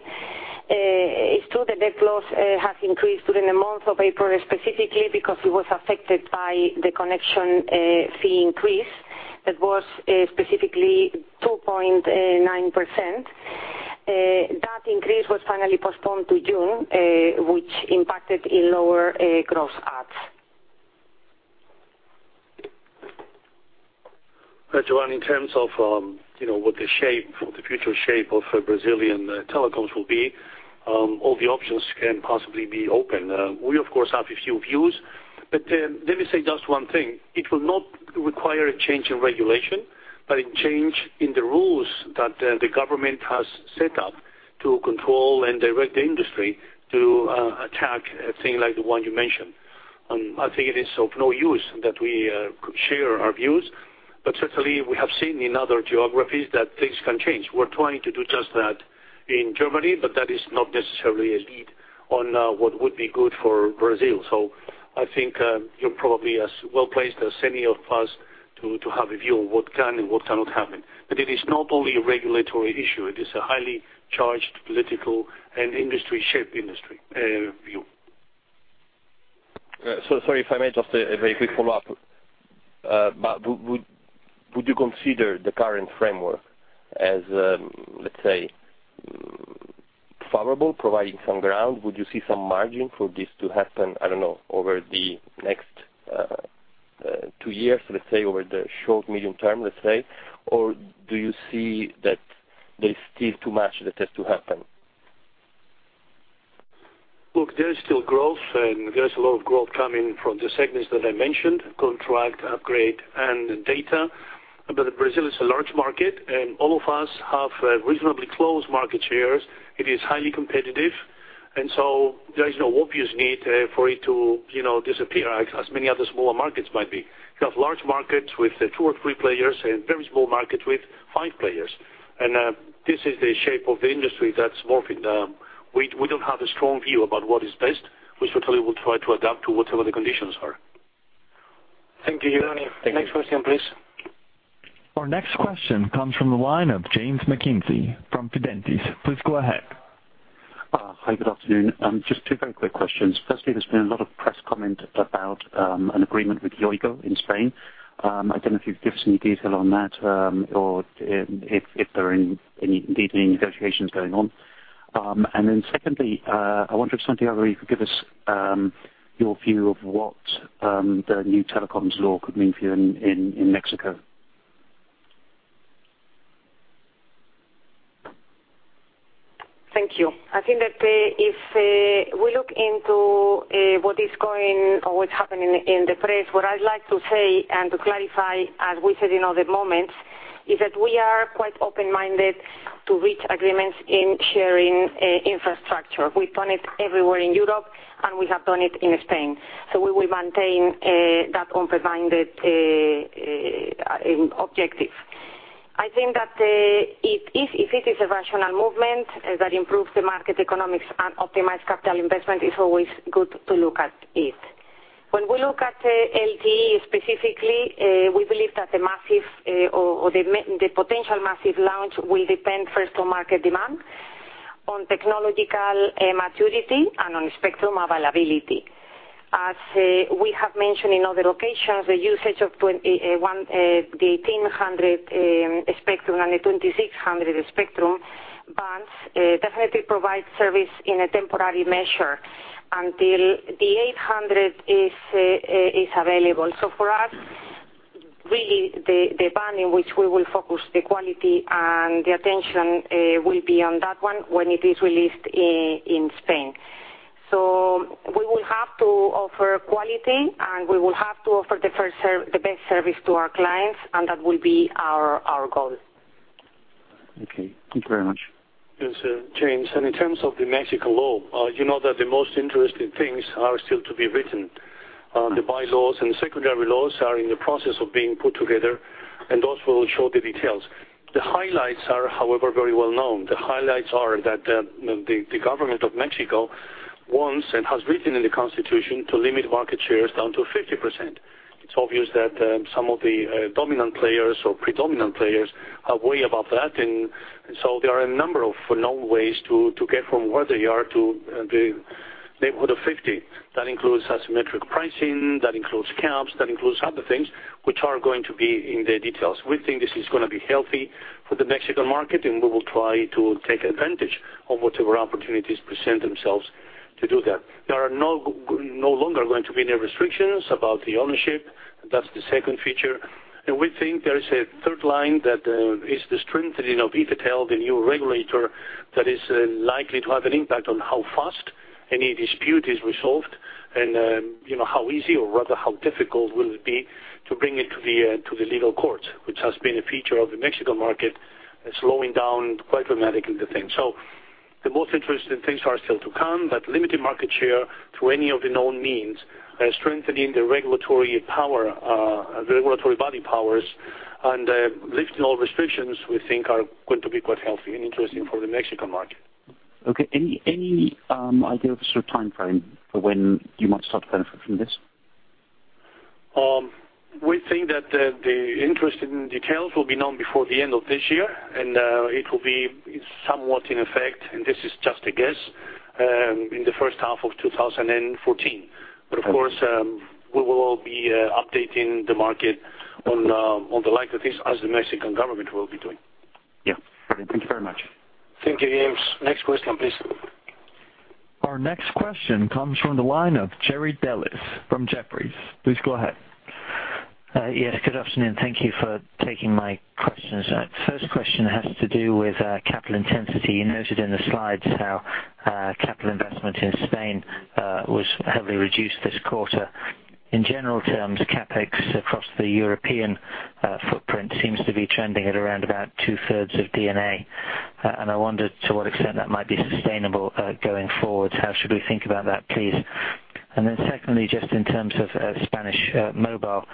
it's true the net loss has increased during the month of April, specifically because it was affected by the connection fee increase. That was specifically 2.9%. That increase was finally postponed to June, which impacted in lower gross adds. Giovanni, in terms of what the future shape of Brazilian telecoms will be, all the options can possibly be open. We, of course, have a few views, but let me say just one thing. It will not require a change in regulation, but a change in the rules that the government has set up to control and direct the industry to attack a thing like the one you mentioned. I think it is of no use that we could share our views, but certainly, we have seen in other geographies that things can change. We're trying to do just that in Germany, but that is not necessarily a lead on what would be good for Brazil. I think you're probably as well-placed as any of us to have a view on what can and what cannot happen. It is not only a regulatory issue, it is a highly charged political and industry shape, industry view. Sorry, if I may, just a very quick follow-up. Would you consider the current framework as, let's say, favorable, providing some ground? Would you see some margin for this to happen, I don't know, over the next two years, let's say, over the short, medium term, let's say? Do you see that there's still too much that has to happen? Look, there is still growth, and there is a lot of growth coming from the segments that I mentioned, contract, upgrade, and data. Brazil is a large market, and all of us have reasonably close market shares. It is highly competitive. There is no obvious need for it to disappear, as many other smaller markets might be. You have large markets with two or three players and very small markets with five players. This is the shape of the industry that's morphing. We don't have a strong view about what is best. We certainly will try to adapt to whatever the conditions are. Thank you. Next question, please. Our next question comes from the line of James McKenzie, from Fidentiis. Please go ahead. Hi, good afternoon. Just two very quick questions. Firstly, there's been a lot of press comment about an agreement with Yoigo in Spain. I don't know if you can give us any detail on that or if there are indeed any negotiations going on. Secondly, I wonder if Santiago, you could give us your view of what the new telecoms law could mean for you in Mexico. Thank you. I think that if we look into what is going or what's happening in the press, what I'd like to say and to clarify, as we said in other moments, is that we are quite open-minded to reach agreements in sharing infrastructure. We've done it everywhere in Europe, and we have done it in Spain. We will maintain that open-minded objective. I think that if it is a rational movement that improves the market economics and optimize capital investment, it's always good to look at it. When we look at LTE specifically, we believe that the potential massive launch will depend first on market demand, on technological maturity, and on spectrum availability. As we have mentioned in other locations, the usage of the 1800 spectrum and the 2600 spectrum bands definitely provide service in a temporary measure until the 800 is available. For us, really, the band in which we will focus the quality and the attention will be on that one when it is released in Spain. We will have to offer quality, and we will have to offer the best service to our clients, and that will be our goal. Okay. Thank you very much. Yes, James. In terms of the Mexican law, you know that the most interesting things are still to be written. The bylaws and secondary laws are in the process of being put together, those will show the details. The highlights are, however, very well known. The highlights are that the government of Mexico wants and has written in the Constitution to limit market shares down to 50%. It is obvious that some of the dominant players or predominant players are wary about that. There are a number of known ways to get from where they are to the neighborhood of 50. That includes asymmetric pricing, that includes caps, that includes other things which are going to be in the details. We think this is going to be healthy for the Mexican market. We will try to take advantage of whatever opportunities present themselves to do that. There are no longer going to be any restrictions about the ownership. That is the second feature. We think there is a third line that is the strengthening of IFT, the new regulator, that is likely to have an impact on how fast any dispute is resolved and how easy or rather how difficult will it be to bring it to the legal court, which has been a feature of the Mexican market, slowing down quite dramatically the thing. The most interesting things are still to come, limiting market share to any of the known means, strengthening the regulatory body powers, and lifting all restrictions, we think, are going to be quite healthy and interesting for the Mexican market. Okay. Any idea of the sort of timeframe for when you might start to benefit from this? We think that the interesting details will be known before the end of this year. It will be somewhat in effect, this is just a guess, in the first half of 2014. Of course, we will all be updating the market on the likelihoods as the Mexican government will be doing. Yeah. Thank you very much. Thank you, James. Next question, please. Our next question comes from the line of Jerry Dellis from Jefferies. Please go ahead. Yes, good afternoon. Thank you for taking my questions. First question has to do with capital intensity. You noted in the slides how capital investment in Spain was heavily reduced this quarter. In general terms, CapEx across the European footprint seems to be trending at around about two-thirds of D&A. I wondered to what extent that might be sustainable going forward. How should we think about that, please? Then secondly, just in terms of Spanish mobile,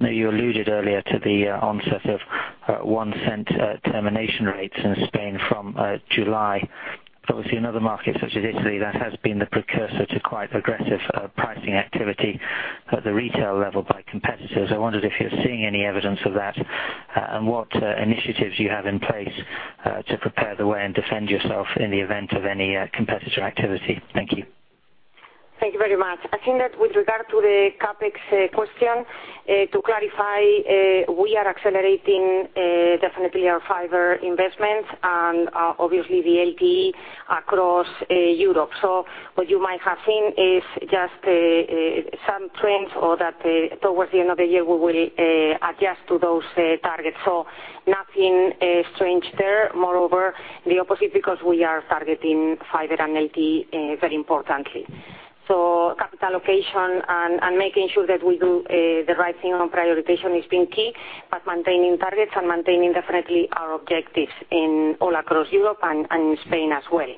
I know you alluded earlier to the onset of 0.01 termination rates in Spain from July. Obviously, another market such as Italy, that has been the precursor to quite aggressive pricing activity at the retail level by competitors. I wondered if you're seeing any evidence of that and what initiatives you have in place to prepare the way and defend yourself in the event of any competitor activity. Thank you. Thank you very much. I think that with regard to the CapEx question, to clarify, we are accelerating definitely our fiber investments and obviously the LTE across Europe. What you might have seen is just some trends or that towards the end of the year we will adjust to those targets. Nothing strange there. Moreover, the opposite because we are targeting fiber and LTE very importantly. Capital allocation and making sure that we do the right thing on prioritization has been key, but maintaining targets and maintaining definitely our objectives all across Europe and in Spain as well.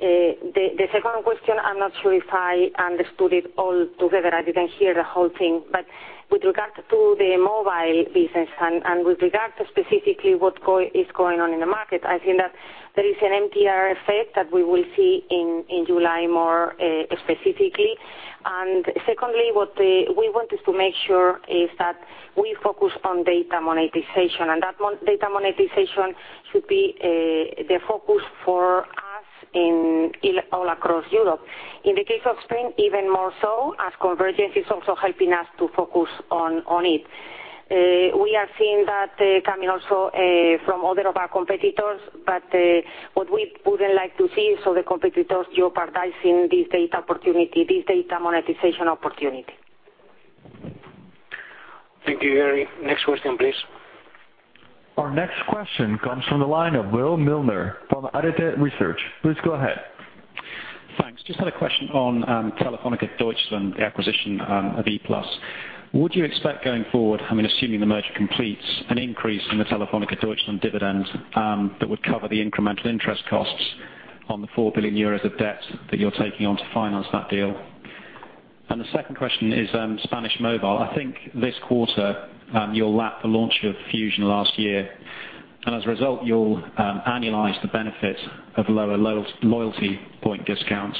The second question, I'm not sure if I understood it all together. I didn't hear the whole thing, but with regard to the mobile business and with regard to specifically what is going on in the market, I think that there is an MTR effect that we will see in July more specifically. Secondly, what we want is to make sure is that we focus on data monetization, and that data monetization should be the focus for us all across Europe. In the case of Spain, even more so, as convergence is also helping us to focus on it. We are seeing that coming also from other of our competitors, but what we wouldn't like to see is all the competitors jeopardizing this data monetization opportunity. Thank you, Jerry. Next question, please. Our next question comes from the line of Will Milner from Oddo BHF Research. Please go ahead. Thanks. The second question is Spanish mobile. Just had a question on Telefónica Deutschland, the acquisition of E-Plus. Would you expect going forward, assuming the merger completes, an increase in the Telefónica Deutschland dividend that would cover the incremental interest costs on the 4 billion euros of debt that you're taking on to finance that deal? I think this quarter, you'll lap the launch of Fusión last year, and as a result, you'll annualize the benefit of lower loyalty point discounts,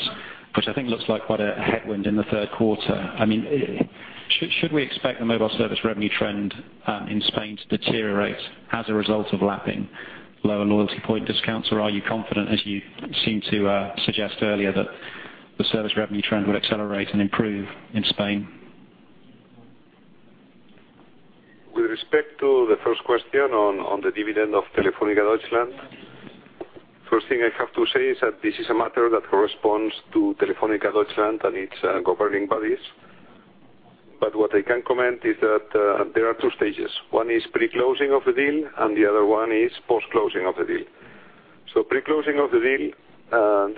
which I think looks like quite a headwind in the third quarter. Should we expect the mobile service revenue trend in Spain to deteriorate as a result of lapping lower loyalty point discounts or are you confident, as you seemed to suggest earlier, that the service revenue trend would accelerate and improve in Spain? With respect to the first question on the dividend of Telefónica Deutschland, first thing I have to say is that this is a matter that corresponds to Telefónica Deutschland and its governing bodies. What I can comment is that there are two stages. One is pre-closing of the deal and the other one is post-closing of the deal. Pre-closing of the deal,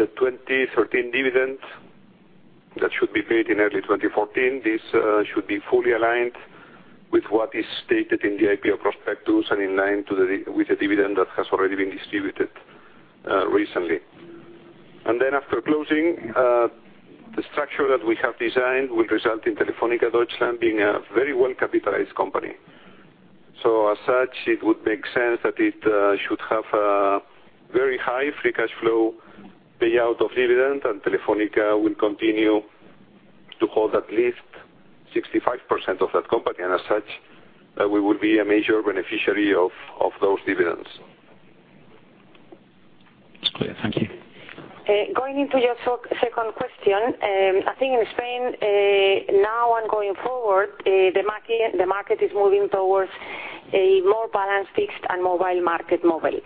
the 2013 dividend that should be paid in early 2014, this should be fully aligned with what is stated in the IPO prospectus and in line with the dividend that has already been distributed recently. After closing, the structure that we have designed will result in Telefónica Deutschland being a very well-capitalized company. As such, it would make sense that it should have a very high free cash flow payout of dividend, and Telefónica will continue to hold at least 65% of that company. As such, we would be a major beneficiary of those dividends. Clear. Thank you. Going into your second question, I think in Spain, now and going forward, the market is moving towards a more balanced fixed and mobile market model.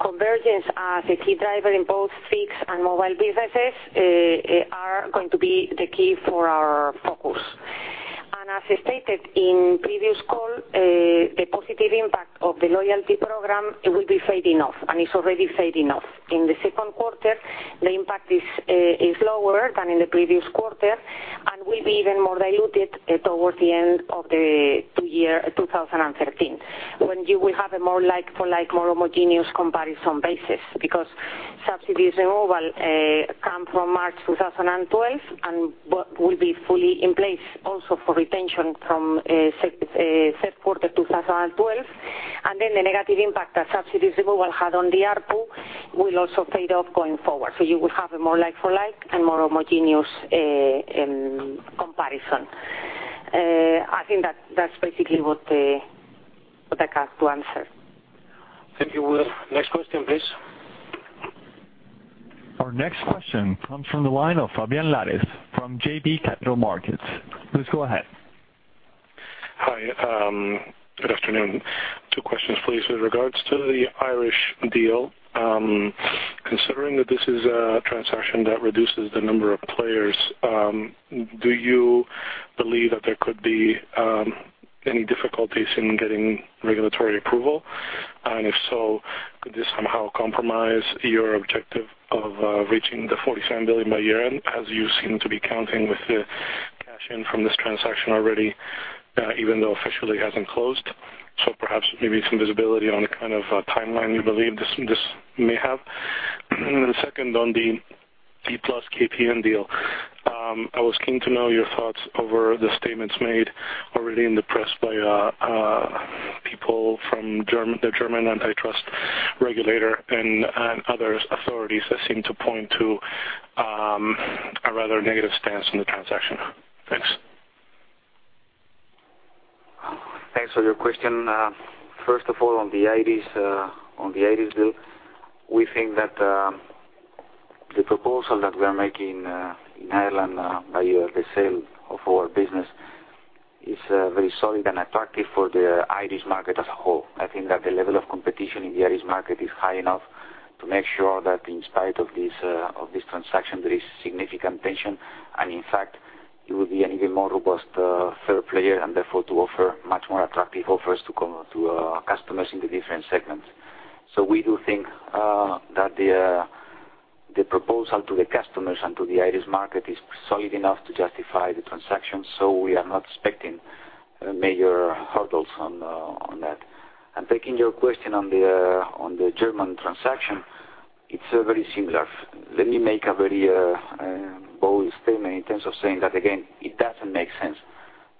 Convergence as a key driver in both fixed and mobile businesses are going to be the key for our focus. As stated in previous call, the positive impact of the loyalty program will be fading off, and it's already fading off. In the second quarter, the impact is lower than in the previous quarter and will be even more diluted towards the end of the end of the full year 2013. When you will have a more like for like, more homogeneous comparison basis, because subsidies removal come from March 2012 and will be fully in place also for retention from second quarter 2012. The negative impact that subsidies removal had on the ARPU will also fade off going forward. You will have a more like for like and more homogeneous comparison. I think that's basically what I have to answer. Thank you, Will. Next question, please. Our next question comes from the line of Fabián Lares from JB Capital Markets. Please go ahead. Hi. Good afternoon. Two questions, please, with regards to the Irish deal. Considering that this is a transaction that reduces the number of players, do you believe that there could be any difficulties in getting regulatory approval? If so, could this somehow compromise your objective of reaching the 47 billion by year-end, as you seem to be counting with the cash in from this transaction already, even though officially it hasn't closed? Perhaps maybe some visibility on the kind of timeline you believe this may have. The second on the E-Plus KPN deal. I was keen to know your thoughts over the statements made already in the press by people from the German antitrust regulator and other authorities that seem to point to a rather negative stance on the transaction. Thanks. Thanks for your question. First of all, on the Irish deal, we think that the proposal that we are making in Ireland by the sale of our business is very solid and attractive for the Irish market as a whole. I think that the level of competition in the Irish market is high enough to make sure that in spite of this transaction, there is significant tension. In fact, it will be an even more robust third player, and therefore to offer much more attractive offers to customers in the different segments. We do think that the proposal to the customers and to the Irish market is solid enough to justify the transaction, so we are not expecting major hurdles on that. Taking your question on the German transaction, it's very similar. Let me make a very bold statement in terms of saying that again, it doesn't make sense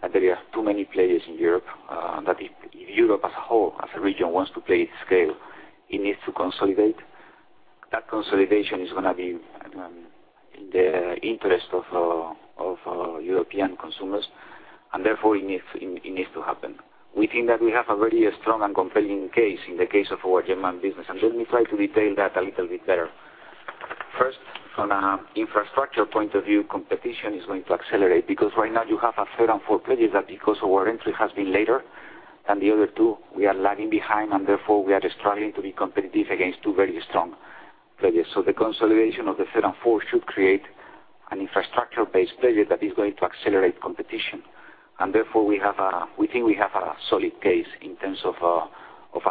that there are too many players in Europe. If Europe as a whole, as a region, wants to play its scale, it needs to consolidate. Consolidation is going to be in the interest of European consumers, and therefore it needs to happen. We think that we have a very strong and compelling case in the case of our German business. Let me try to detail that a little bit better. First, from an infrastructure point of view, competition is going to accelerate because right now you have a third and fourth player that because our entry has been later than the other two, we are lagging behind, and therefore we are struggling to be competitive against two very strong players. The consolidation of the third and fourth should create an infrastructure-based player that is going to accelerate competition. Therefore, we think we have a solid case in terms of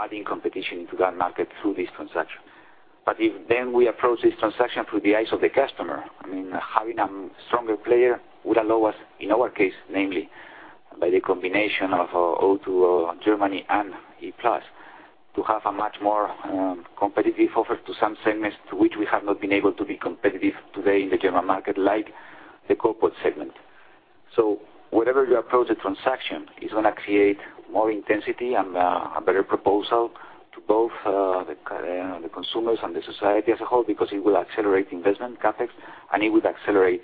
adding competition into that market through this transaction. If then we approach this transaction through the eyes of the customer, having a stronger player would allow us, in our case, namely by the combination of O2 Germany and E-Plus, to have a much more competitive offer to some segments to which we have not been able to be competitive today in the German market, like the corporate segment. Wherever you approach the transaction, it's going to create more intensity and a better proposal to both the consumers and the society as a whole because it will accelerate investment CapEx, and it would accelerate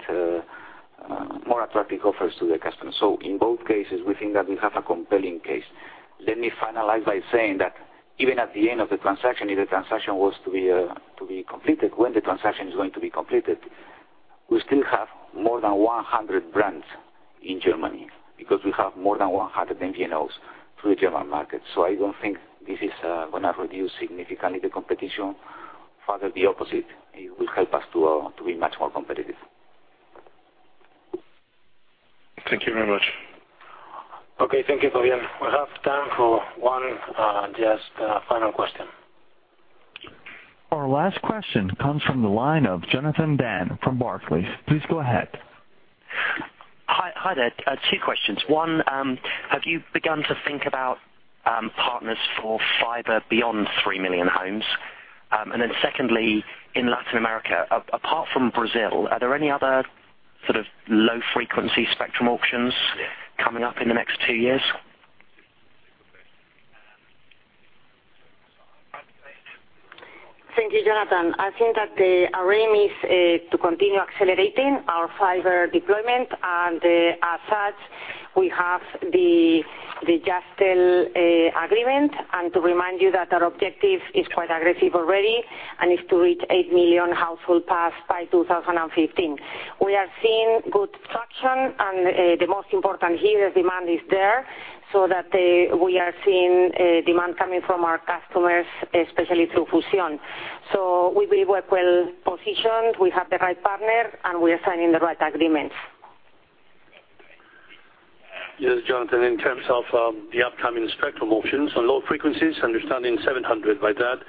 more attractive offers to the customer. In both cases, we think that we have a compelling case. Let me finalize by saying that even at the end of the transaction, if the transaction was to be completed, when the transaction is going to be completed, we still have more than 100 brands in Germany because we have more than 100 MVNOs through the German market. I don't think this is going to reduce significantly the competition. Further, the opposite, it will help us to be much more competitive. Thank you very much. Thank you, Fabián. We have time for one just final question. Our last question comes from the line of Jonathan Dann from Barclays. Please go ahead. Hi there. Two questions. One, have you begun to think about partners for fiber beyond 3 million homes? Secondly, in Latin America, apart from Brazil, are there any other sort of low-frequency spectrum auctions coming up in the next two years? Thank you, Jonathan. I think that our aim is to continue accelerating our fiber deployment, as such, we have the Jazztel agreement. To remind you that our objective is quite aggressive already, and it's to reach 8 million household pass by 2015. We are seeing good traction, the most important here, the demand is there so that we are seeing demand coming from our customers, especially through Fusión. We will work well-positioned, we have the right partner, and we are signing the right agreements. Yes, Jonathan, in terms of the upcoming spectrum auctions on low frequencies, understanding 700 by that,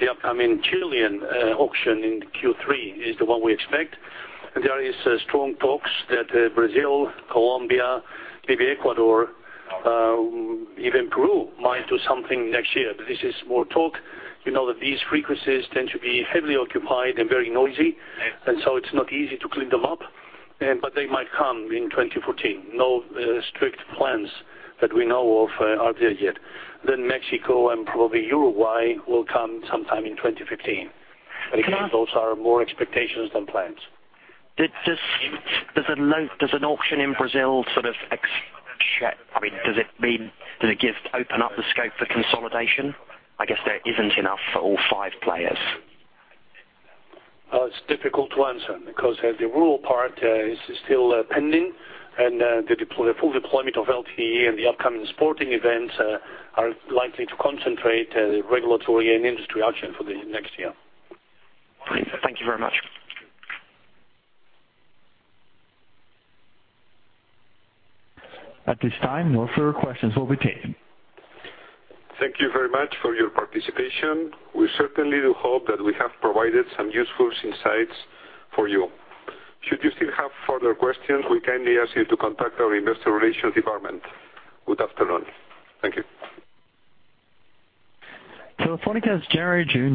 the upcoming Chilean auction in Q3 is the one we expect. There is strong talks that Brazil, Colombia, maybe Ecuador, even Peru might do something next year. This is more talk. You know that these frequencies tend to be heavily occupied and very noisy, it's not easy to clean them up, they might come in 2014. No strict plans that we know of are there yet. Mexico and probably Uruguay will come sometime in 2015. Again, those are more expectations than plans. Does an auction in Brazil sort of open up the scope for consolidation? I guess there isn't enough for all five players. It's difficult to answer because the rural part is still pending, and the full deployment of LTE and the upcoming sporting events are likely to concentrate the regulatory and industry auction for the next year. Great. Thank you very much. At this time, no further questions will be taken. Thank you very much for your participation. We certainly do hope that we have provided some useful insights for you. Should you still have further questions, we kindly ask you to contact our investor relations department. Good afternoon. Thank you. Telefónica's January-June 2013